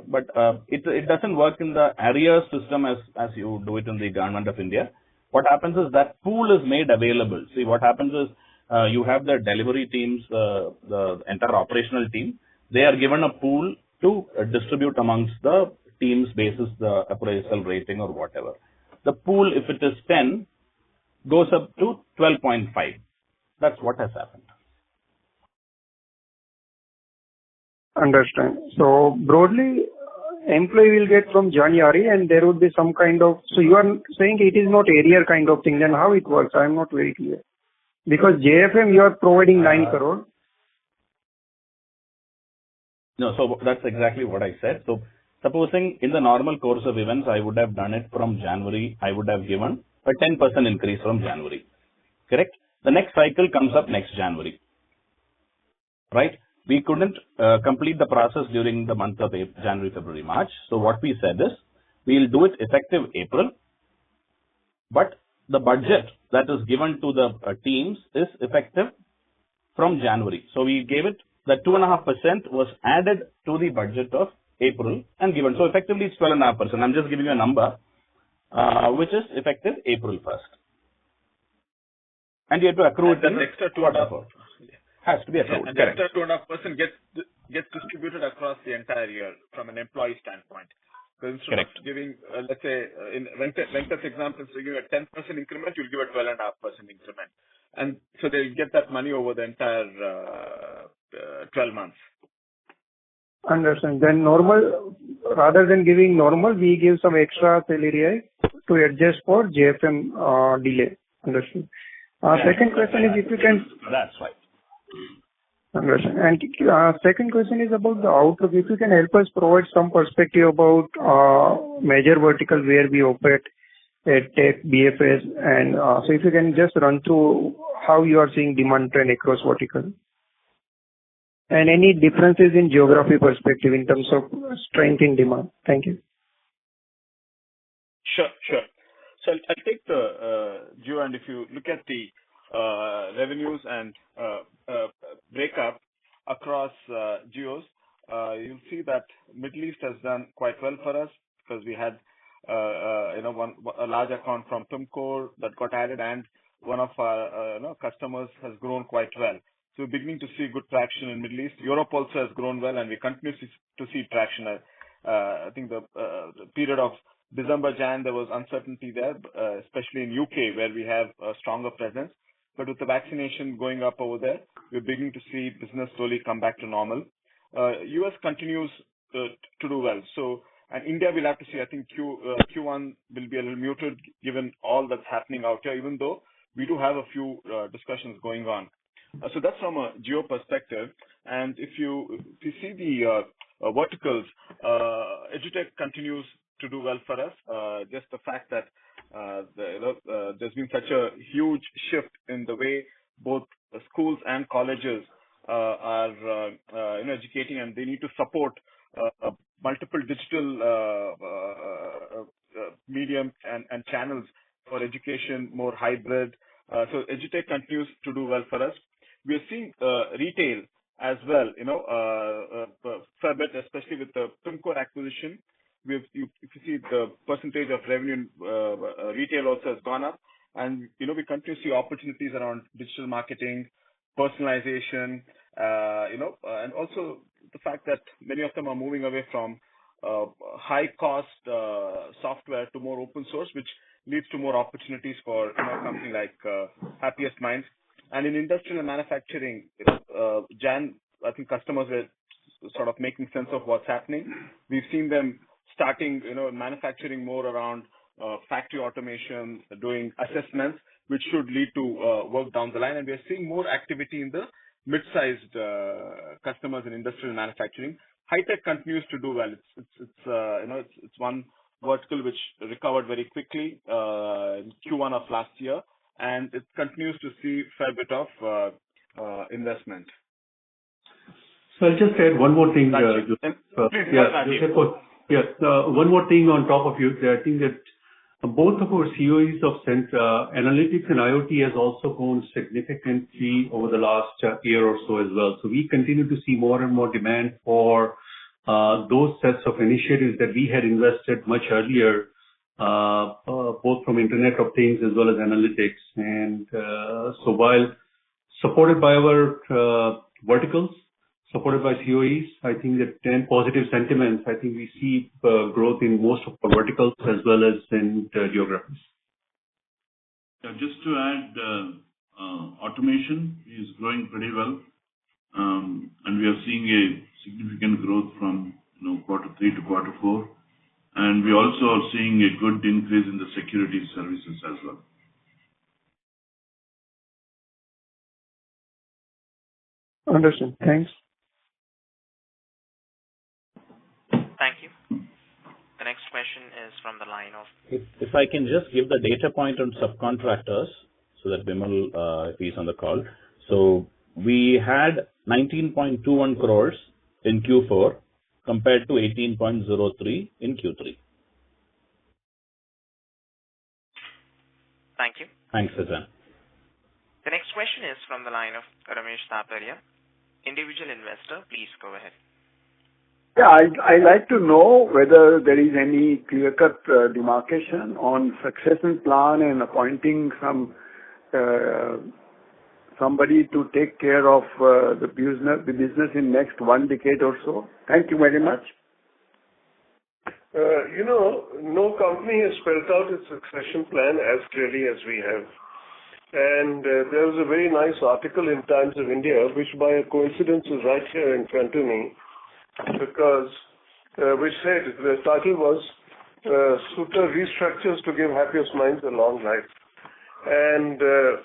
It doesn't work in the arrears system as you do it in the Government of India. What happens is that pool is made available. See what happens is you have the delivery teams, the entire operational team. They are given a pool to distribute amongst the teams basis the appraisal rating or whatever. The pool, if it is 10%, goes up to 12.5%. That's what has happened.
Understand. Broadly, employee will get from January. You are saying it is not arrear kind of thing, then how it works? I'm not very clear. Because JFM you are providing 9 crore.
No, that's exactly what I said. Supposing in the normal course of events, I would have done it from January, I would have given a 10% increase from January. Correct? The next cycle comes up next January. We couldn't complete the process during the month of January, February, March. What we said is, we'll do it effective April, but the budget that is given to the teams is effective from January. We gave it, that 2.5% was added to the budget of April and given—Effectively, it's 12.5%. I'm just giving you a number, which is effective April 1st. We had to accrue it in quarter four. Has to be accrued. Correct.
That extra 2.5% gets distributed across the entire year from an employee standpoint.
Correct.
Instead of giving, let's say, in Venkat's example, instead of giving a 10% increment, you'll give a 12.5% increment. They'll get that money over the entire 12 months.
Understand. Rather than giving normal, we give some extra salary to adjust for JFM delay. Understand. Second question is if you can?
That's right.
Understand. Second question is about the outlook. If you can help us provide some perspective about major vertical where we operate, EdTech, BFS. If you can just run through how you are seeing demand trend across vertical. Any differences in geography perspective in terms of strength in demand. Thank you.
Sure. I'll take the geo, and if you look at the revenues and breakup across geos, you'll see that Middle East has done quite well for us because we had a large account from Pimcore that got added, and one of our customers has grown quite well. We're beginning to see good traction in Middle East. Europe also has grown well, and we continue to see traction. I think the period of December, January, there was uncertainty there, especially in U.K., where we have a stronger presence. With the vaccination going up over there, we're beginning to see business slowly come back to normal. U.S. continues to do well. India will have to see. I think Q1 will be a little muted given all that's happening out there, even though we do have a few discussions going on. That's from a geo perspective. If you see the verticals, EdTech continues to do well for us. Just the fact that there's been such a huge shift in the way both schools and colleges are educating, and they need to support multiple digital mediums and channels for education, more hybrid. EdTech continues to do well for us. We are seeing retail as well, a fair bit, especially with the Pimcore acquisition. If you see the percentage of revenue, retail also has gone up. We continue to see opportunities around digital marketing, personalization. Also the fact that many of them are moving away from high-cost software to more open source, which leads to more opportunities for a company like Happiest Minds. In industrial manufacturing, Jan, I think customers were sort of making sense of what's happening. We've seen them starting manufacturing more around factory automation, doing assessments, which should lead to work down the line. We are seeing more activity in the mid-sized customers in industrial manufacturing. High-Tech continues to do well. It's one vertical which recovered very quickly in Q1 of last year, and it continues to see a fair bit of investment.
I'll just add one more thing.
Please.
Yes. One more thing on top of you. I think that both of our CoEs of center analytics and IoT has also grown significantly over the last year or so as well. We continue to see more and more demand for those sets of initiatives that we had invested much earlier, both from Internet of Things as well as analytics. While supported by our verticals, supported by CoEs, I think the positive sentiments, I think we see growth in most of our verticals as well as in geographies.
Just to add, automation is growing pretty well, and we are seeing a significant growth from quarter three to quarter four. We also are seeing a good increase in the security services as well.
Understood. Thanks.
Thank you. The next question is from the line of-
If I can just give the data point on subcontractors so that Vimal, if he's on the call. We had 19.21 crores in Q4 compared to 18.03 in Q3.
Thank you.
Thanks, Faizan.
The next question is from the line of [Ramesh Natarajan], individual investor. Please go ahead.
I'd like to know whether there is any clear-cut demarcation on succession plan and appointing somebody to take care of the business in next one decade or so. Thank you very much.
No company has spelt out its succession plan as clearly as we have. There was a very nice article in The Times of India, which by a coincidence is right here in front of me. The title was, "Soota Restructures to Give Happiest Minds a Long Life." The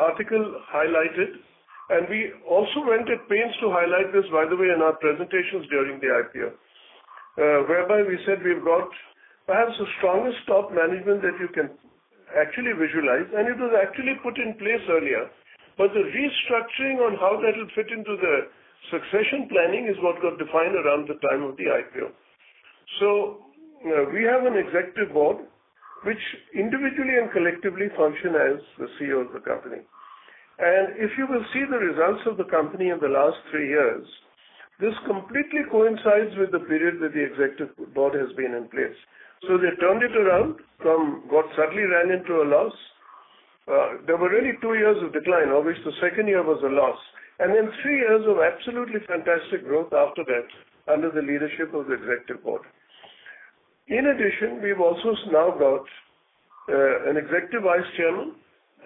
article highlighted—and we also went at pains to highlight this, by the way, in our presentations during the IPO—whereby we said we've got perhaps the strongest top management that you can actually visualize, and it was actually put in place earlier. The restructuring on how that will fit into the succession planning is what got defined around the time of the IPO. We have an executive board which individually and collectively function as the CEO of the company. If you will see the results of the company in the last three years, this completely coincides with the period that the Executive Board has been in place. They turned it around from what suddenly ran into a loss. There were really two years of decline, of which the second year was a loss, three years of absolutely fantastic growth after that under the leadership of the Executive Board. In addition, we've also now got an Executive Vice Chairman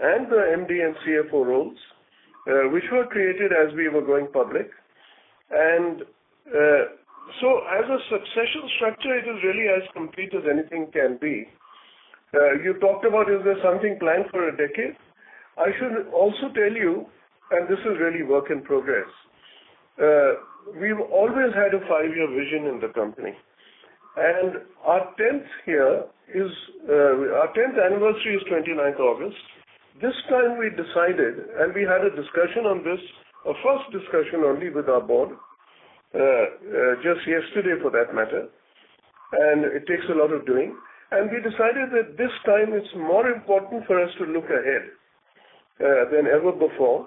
and the MD and CFO roles, which were created as we were going public. As a succession structure, it is really as complete as anything can be. You talked about is there something planned for a decade? I should also tell you, this is really work in progress, we've always had a five-year vision in the company. Our 10th anniversary is 29th August. This time we decided—and we had a first discussion on this only with our board just yesterday, for that matter, and it takes a lot of doing—it's more important for us to look ahead than ever before,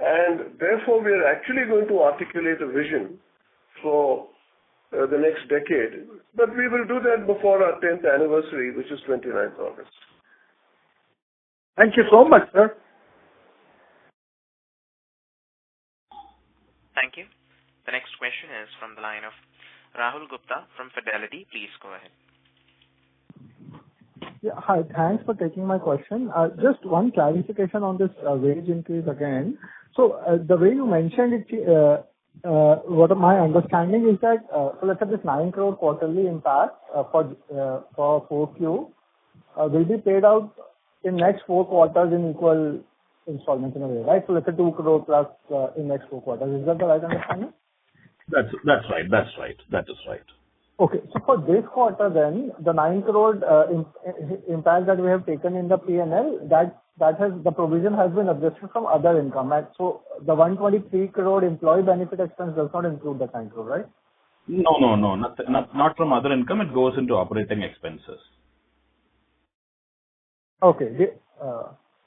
and therefore we are actually going to articulate a vision for the next decade. We will do that before our 10th anniversary, which is 29th August.
Thank you so much, sir.
Thank you. The next question is from the line of Rahul Gupta from Fidelity. Please go ahead.
Hi. Thanks for taking my question. Just one clarification on this wage increase again. The way you mentioned it, what my understanding is that, let's say this 9 crores quarterly impact for 4Q will be paid out in next four quarters in equal installments in a way. Let's say 2+ crores in next four quarters. Is that the right understanding?
That's right.
Okay. For this quarter, the 9 crores impact that we have taken in the P&L, the provision has been adjusted from other income. The 123 crores employee benefit expense does not include that INR 10 crores, right?
No. Not from other income. It goes into operating expenses.
Okay.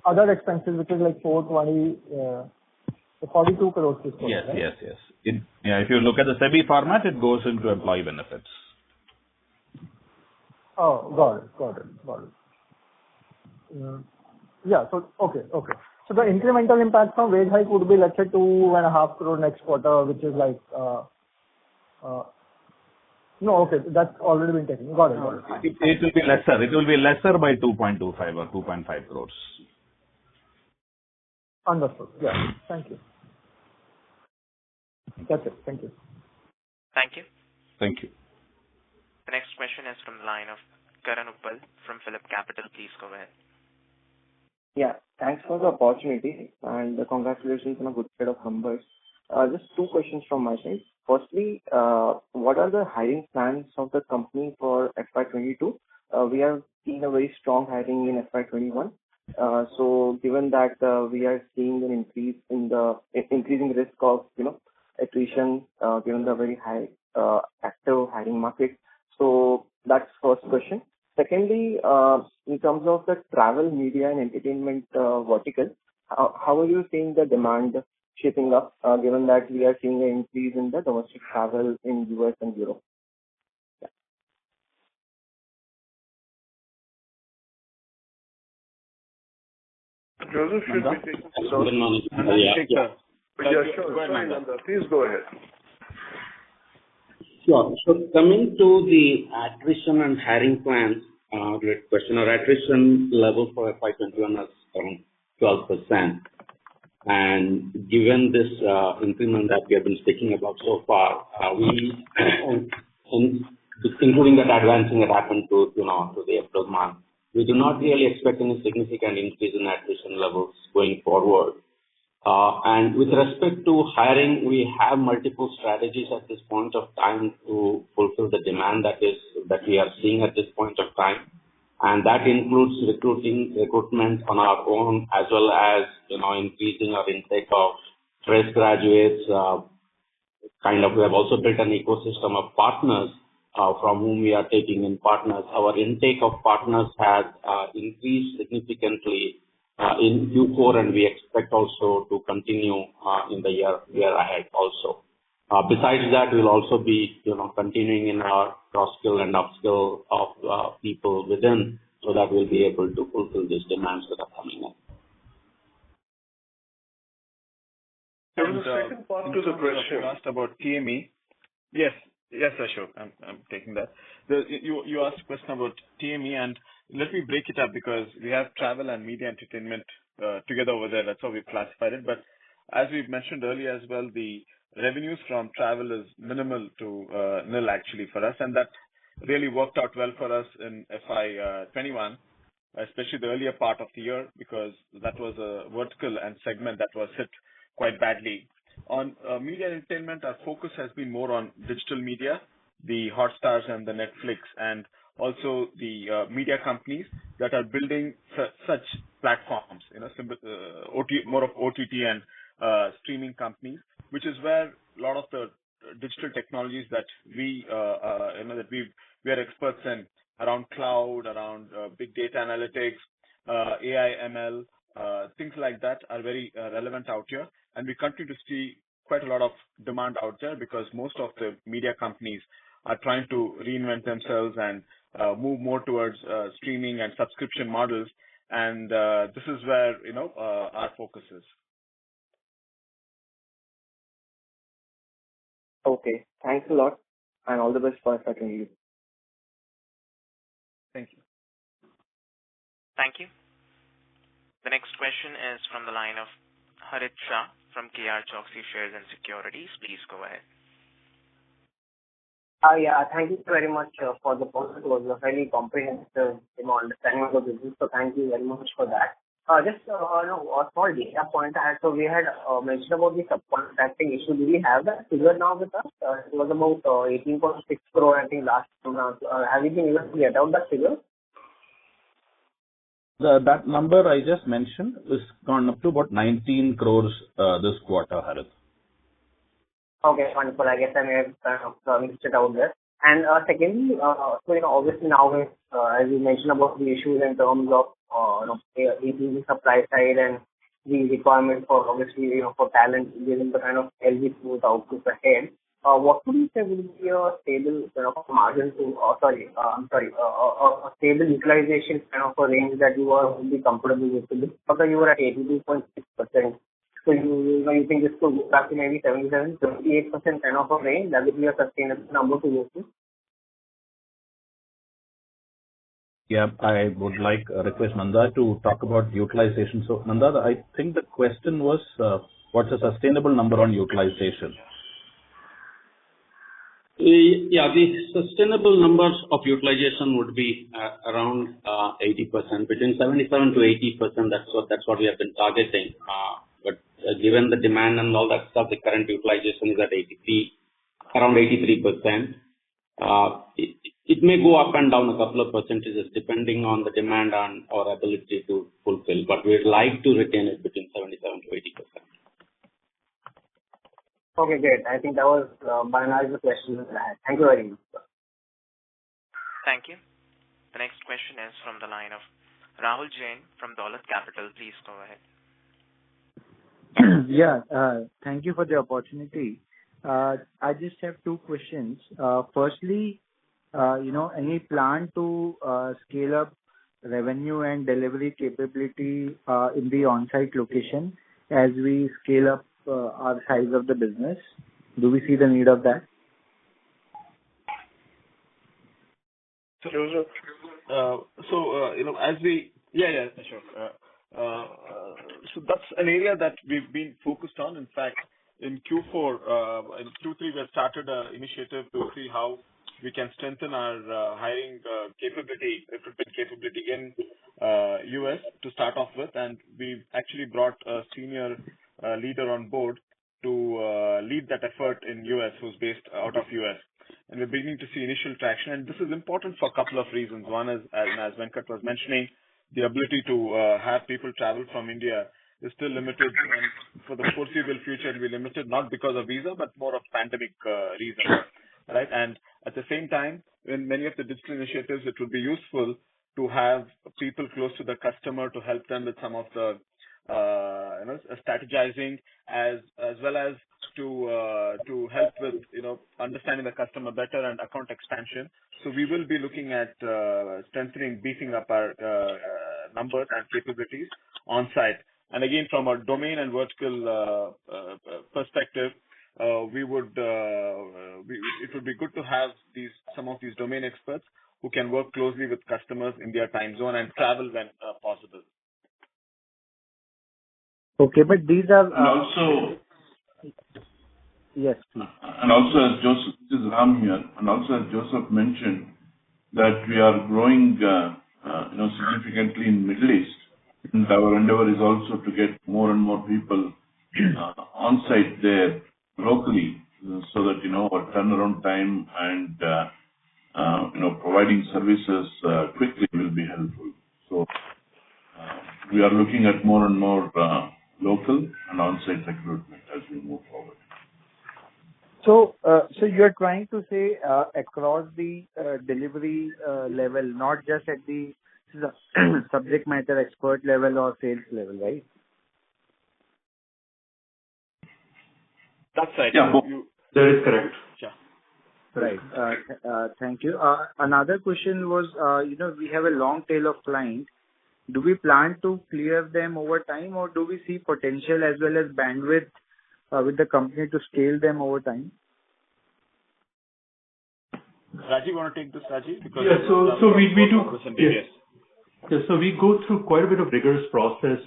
Other expenses, which is like 424 crore system, right?
Yes. If you look at the SEBI format, it goes into employee benefits.
Got it. The incremental impact from wage hike would be, let's say, 2.5 crores next quarter, which is like—No. Okay. That's already been taken. Got it.
It will be lesser by 2.25 crores or 2.5 crores.
Understood. Thank you. That's it. Thank you.
Thank you.
Thank you.
The next question is from the line of Karan Uppal from PhillipCapital. Please go ahead.
Thanks for the opportunity, and congratulations on a good set of numbers. Just two questions from my side. Firstly, what are the hiring plans of the company for FY 2022? We have seen a very strong hiring in FY 2021 given that we are seeing an increasing risk of attrition given the very high active hiring market. That's first question. Secondly, in terms of the travel, media, and entertainment vertical, how are you seeing the demand shaping up given that we are seeing an increase in the domestic travel in U.S. and Europe?
Joseph-
Good morning.
Sure. Fine, Nanda. Please go ahead.
Sure. Coming to the attrition and hiring plans, great question. Our attrition level for FY 2021 was around 12%. Given this increment that we have been speaking about so far including that advancement that happened to the April month, we do not really expect any significant increase in attrition levels going forward. With respect to hiring, we have multiple strategies at this point of time to fulfill the demand that we are seeing at this point of time. That includes recruitment on our own as well as increasing our intake of fresh graduates. We have also built an ecosystem of partners from whom we are taking in partners. Our intake of partners has increased significantly in Q4, and we expect also to continue in the year ahead also. Besides that, we'll also be continuing in our cross-skill and up-skill of people within so that we'll be able to fulfill these demands that are coming up.
The second part to the question-
You asked about TME- Yes, Ashok. I'm taking that. You asked a question about TME, and let me break it up because we have travel and media entertainment together over there. That's how we classified it. As we've mentioned earlier as well, the revenues from travel is minimal to nil actually for us. Really worked out well for us in FY 2021, especially the earlier part of the year, because that was a vertical and segment that was hit quite badly. On media and entertainment, our focus has been more on digital media, the Hotstar and the Netflix, and also the media companies that are building such platforms. More of OTT and streaming companies, which is where a lot of the digital technologies that we are experts in around cloud, around big data analytics, AI, ML, things like that are very relevant out here. We continue to see quite a lot of demand out there because most of the media companies are trying to reinvent themselves and move more towards streaming and subscription models. This is where our focus is.
Okay. Thanks a lot and all the best for FY 2022.
Thank you.
Thank you. The next question is from the line of Harit Shah from KRChoksey Shares and Securities. Please go ahead.
Hi. Thank you very much for the presentation. It was a fairly comprehensive understanding of the business, thank you very much for that. Just one point. We had mentioned about the subcontracting issue. Do we have that figure now with us? It was about 18.6 crores, I think, last. Have we been able to get down that figure?
That number I just mentioned is gone up to about 19 crores this quarter, Harit.
Okay. Wonderful. I guess I may have mixed it out there. Secondly, obviously now as you mentioned about the issues in terms of [ATV] supply side and the requirement for obviously for talent given the kind of [LPO output] ahead. What would you say would be your stable utilization kind of a range that you are only comfortable with? Last time you were at 82.6%. You think this could go back to maybe 77%-78% kind of a range that would be a sustainable number to look to?
I would like request Nanda to talk about utilization. Nanda, I think the question was, what's a sustainable number on utilization?
The sustainable numbers of utilization would be around 80%, between 77%-80%. That's what we have been targeting. Given the demand and all that stuff, the current utilization is at around 83%. It may go up and down a couple of percentages depending on the demand and our ability to fulfill. We'd like to retain it between 77%-80%.
Okay, great. I think that was my analysis question. Thank you very much, sir.
Thank you. The next question is from the line of Rahul Jain from Dolat Capital. Please go ahead.
Thank you for the opportunity. I just have two questions. Firstly, any plan to scale up revenue and delivery capability in the onsite location as we scale up our size of the business? Do we see the need of that?
That's an area that we've been focused on. In fact, in Q3 we started an initiative to see how we can strengthen our hiring capability, recruitment capability in U.S. to start off with. We've actually brought a senior leader on board to lead that effort in U.S. who's based out of U.S. We're beginning to see initial traction. This is important for a couple of reasons. One is, as Venkat was mentioning, the ability to have people travel from India is still limited, and for the foreseeable future, it'll be limited, not because of visa, but more of pandemic reasons.
Sure.
At the same time, in many of the digital initiatives, it will be useful to have people close to the customer to help them with some of the strategizing as well as to help with understanding the customer better and account expansion. We will be looking at strengthening, beefing up our numbers and capabilities onsite. Again, from a domain and vertical perspective, it would be good to have some of these domain experts who can work closely with customers, India time zone, and travel when possible.
Okay.
And also-
Yes.
This is Ram here. Also as Joseph mentioned, that we are growing significantly in Middle East. Our endeavor is also to get more and more people onsite there locally so that our turnaround time and providing services quickly will be helpful. We are looking at more and more local and onsite recruitment as we move forward.
You're trying to say across the delivery level, not just at the subject matter expert level or sales level, right?
That's right.
That is correct.
Sure.
Right. Thank you. Another question was, we have a long tail of clients. Do we plan to clear them over time, or do we see potential as well as bandwidth with the company to scale them over time?
Rajiv, you want to take this?
Yeah. We go through quite a bit of rigorous process.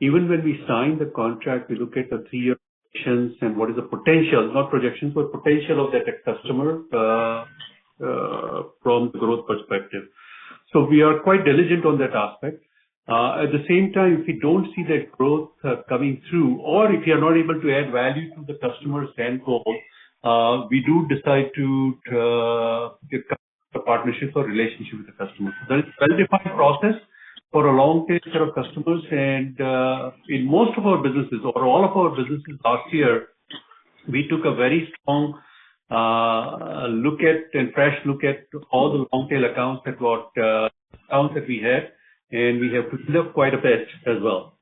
Even when we sign the contract, we look at the three-year projections and what is the potential, not projections, but potential of that customer from growth perspective. We are quite diligent on that aspect. At the same time, if we don't see that growth coming through, or if we are not able to add value to the customer's standpoint, we do decide to give up the partnership or relationship with the customer. There is a well-defined process for a long tail set of customers and in most of our businesses or all of our businesses last year, we took a very strong and fresh look at all the long tail accounts that we had, and we have pruned off quite a bit as well.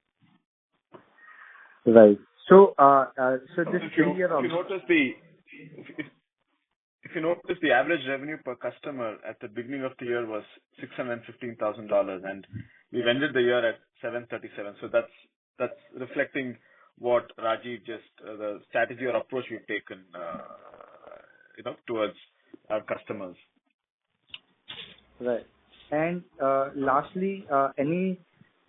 Right. This three-year-
If you notice, the average revenue per customer at the beginning of the year was $615,000. We've ended the year at $737,000. That's reflecting the strategy or approach we've taken towards our customers.
Right. Lastly, any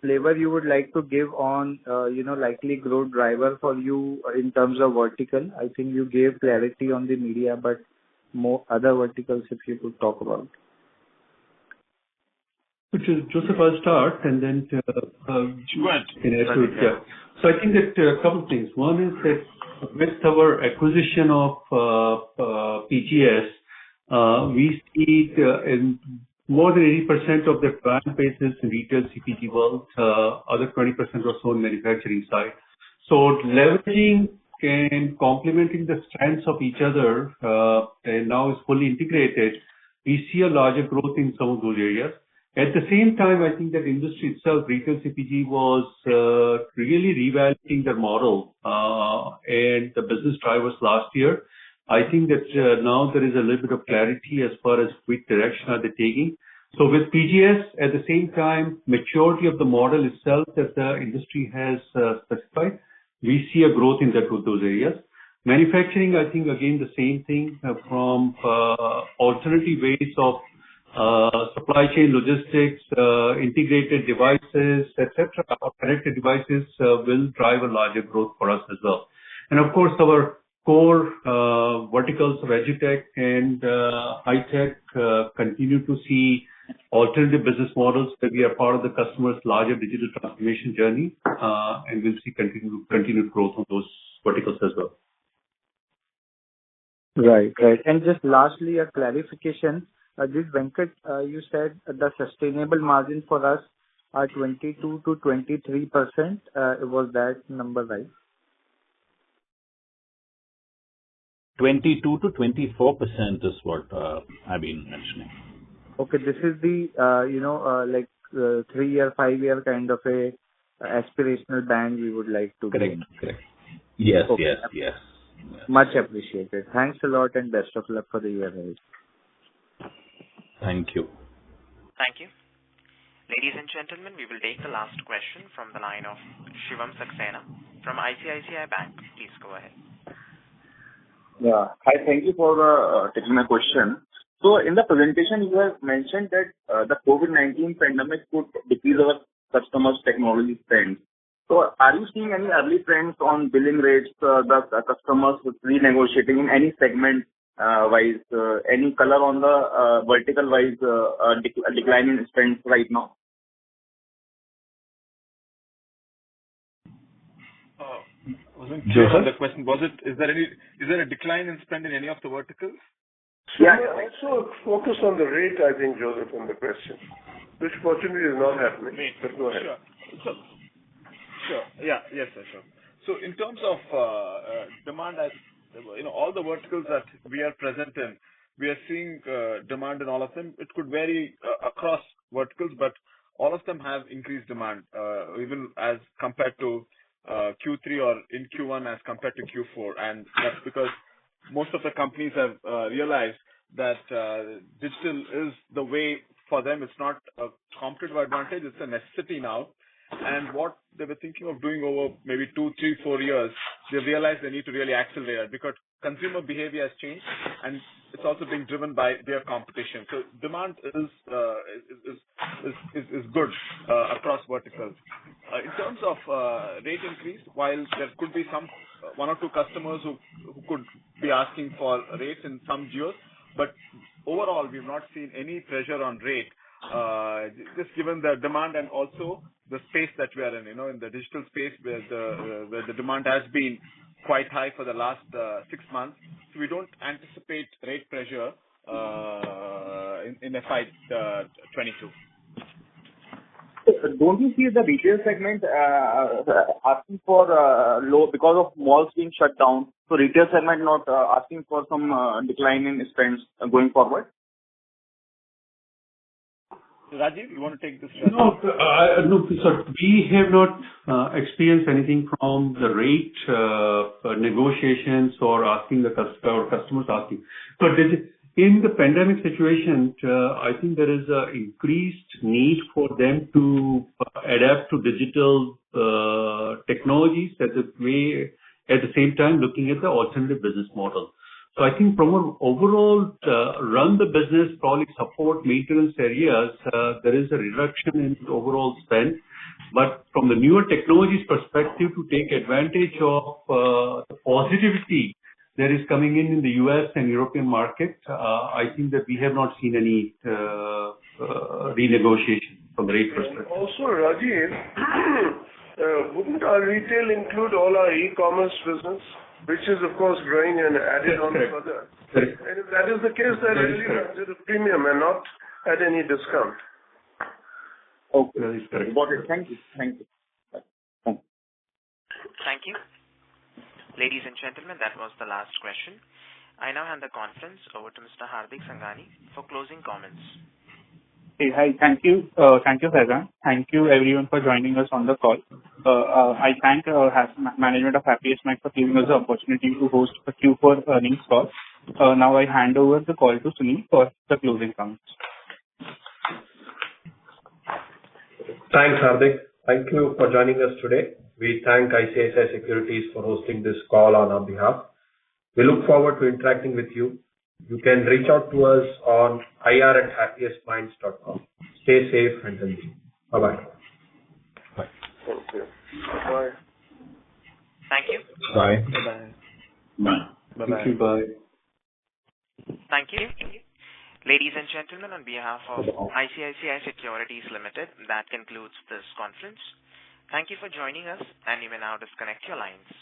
flavor you would like to give on likely growth driver for you in terms of vertical? I think you gave clarity on the media, other verticals if you could talk about.
Joseph, I'll start and then-
Sure.
I think a couple of things. One is that with our acquisition of PGS, we see in more than 80% of the client base is retail CPG world. Other 20% was on manufacturing side. Leveraging and complementing the strengths of each other, and now it's fully integrated, we see a larger growth in some of those areas. At the same time, I think that industry itself, retail CPG, was really reevaluating their model and the business drivers last year. I think that now there is a little bit of clarity as far as which direction are they taking. With PGS, at the same time, maturity of the model itself that the industry has specified, we see a growth in those areas. Manufacturing, I think again, the same thing from alternative ways of supply chain logistics, integrated devices, et cetera, connected devices will drive a larger growth for us as well. Of course, our core verticals, RegTech and High-Tech continue to see alternative business models that we are part of the customer's larger digital transformation journey. We'll see continued growth on those verticals as well.
Right. Just lastly, a clarification. Venkat, you said the sustainable margin for us are 22%-23%. Was that number right?
22%-24% is what I've been mentioning.
Okay, this is the three-year, five-year kind of aspirational band you would like to be in.
Correct. Yes.
Much appreciated. Thanks a lot and best of luck for the year ahead.
Thank you.
Thank you. Ladies and gentlemen, we will take the last question from the line of Shivam Saxena from ICICI Bank. Please go ahead.
Hi, thank you for taking my question. In the presentation, you have mentioned that the COVID-19 pandemic could decrease our customers' technology spend. Are you seeing any early trends on billing rates, the customers with renegotiating in any segment wise, any color on the vertical wise decline in spends right now?
I wasn't clear on the question. Is there a decline in spend in any of the verticals?
Yeah.
Focus on the rate, I think, Joseph, on the question, which fortunately is not happening. Go ahead.
Sure. In terms of demand, all the verticals that we are present in, we are seeing demand in all of them. It could vary across verticals, but all of them have increased demand, even as compared to Q3 or in Q1 as compared to Q4. That's because most of the companies have realized that digital is the way for them. It's not a competitive advantage, it's a necessity now. What they were thinking of doing over maybe two, three, four years, they've realized they need to really accelerate because consumer behavior has changed, and it's also being driven by their competition. Demand is good across verticals. In terms of rate increase, while there could be one or two customers who could be asking for rates in some deals, but overall, we've not seen any pressure on rate. Just given the demand and also the space that we are in. In the digital space where the demand has been quite high for the last six months. We don't anticipate rate pressure in FY 2022.
Don't you see the retail segment asking for low because of malls being shut down, so retail segment not asking for some decline in spends going forward?
Rajiv, you want to take this one?
No. We have not experienced anything from the rate negotiations or customers asking. In the pandemic situation, I think there is increased need for them to adapt to digital technologies that may at the same time looking at the alternative business model. I think from an overall run the business, probably support maintenance areas, there is a reduction in overall spend. From the newer technologies perspective to take advantage of positivity that is coming in in the U.S. and European markets, I think that we have not seen any renegotiation from rate perspective.
Rajiv, wouldn't our retail include all our e-commerce business, which is of course growing and added on further?
Yes, correct.
If that is the case, then it is under the premium and not at any discount.
Okay. Very correct.
Thank you.
Thank you. Ladies and gentlemen, that was the last question. I now hand the conference over to Mr. Hardik Sangani for closing comments.
Hey. Hi. Thank you, Faizan. Thank you, everyone, for joining us on the call. I thank management of Happiest Minds for giving us the opportunity to host the Q4 earnings call. Now, I hand over the call to Sunil for the closing comments.
Thanks, Hardik. Thank you for joining us today. We thank ICICI Securities for hosting this call on our behalf. We look forward to interacting with you. You can reach out to us on ir@happiestminds.com. Stay safe and healthy. Bye-bye.
Bye.
Bye. Thank you.
Bye.
Bye-bye.
Bye.
Thank you. Bye.
Thank you. Ladies and gentlemen, on behalf of ICICI Securities Limited, that concludes this conference. Thank you for joining us, and you may now disconnect your lines.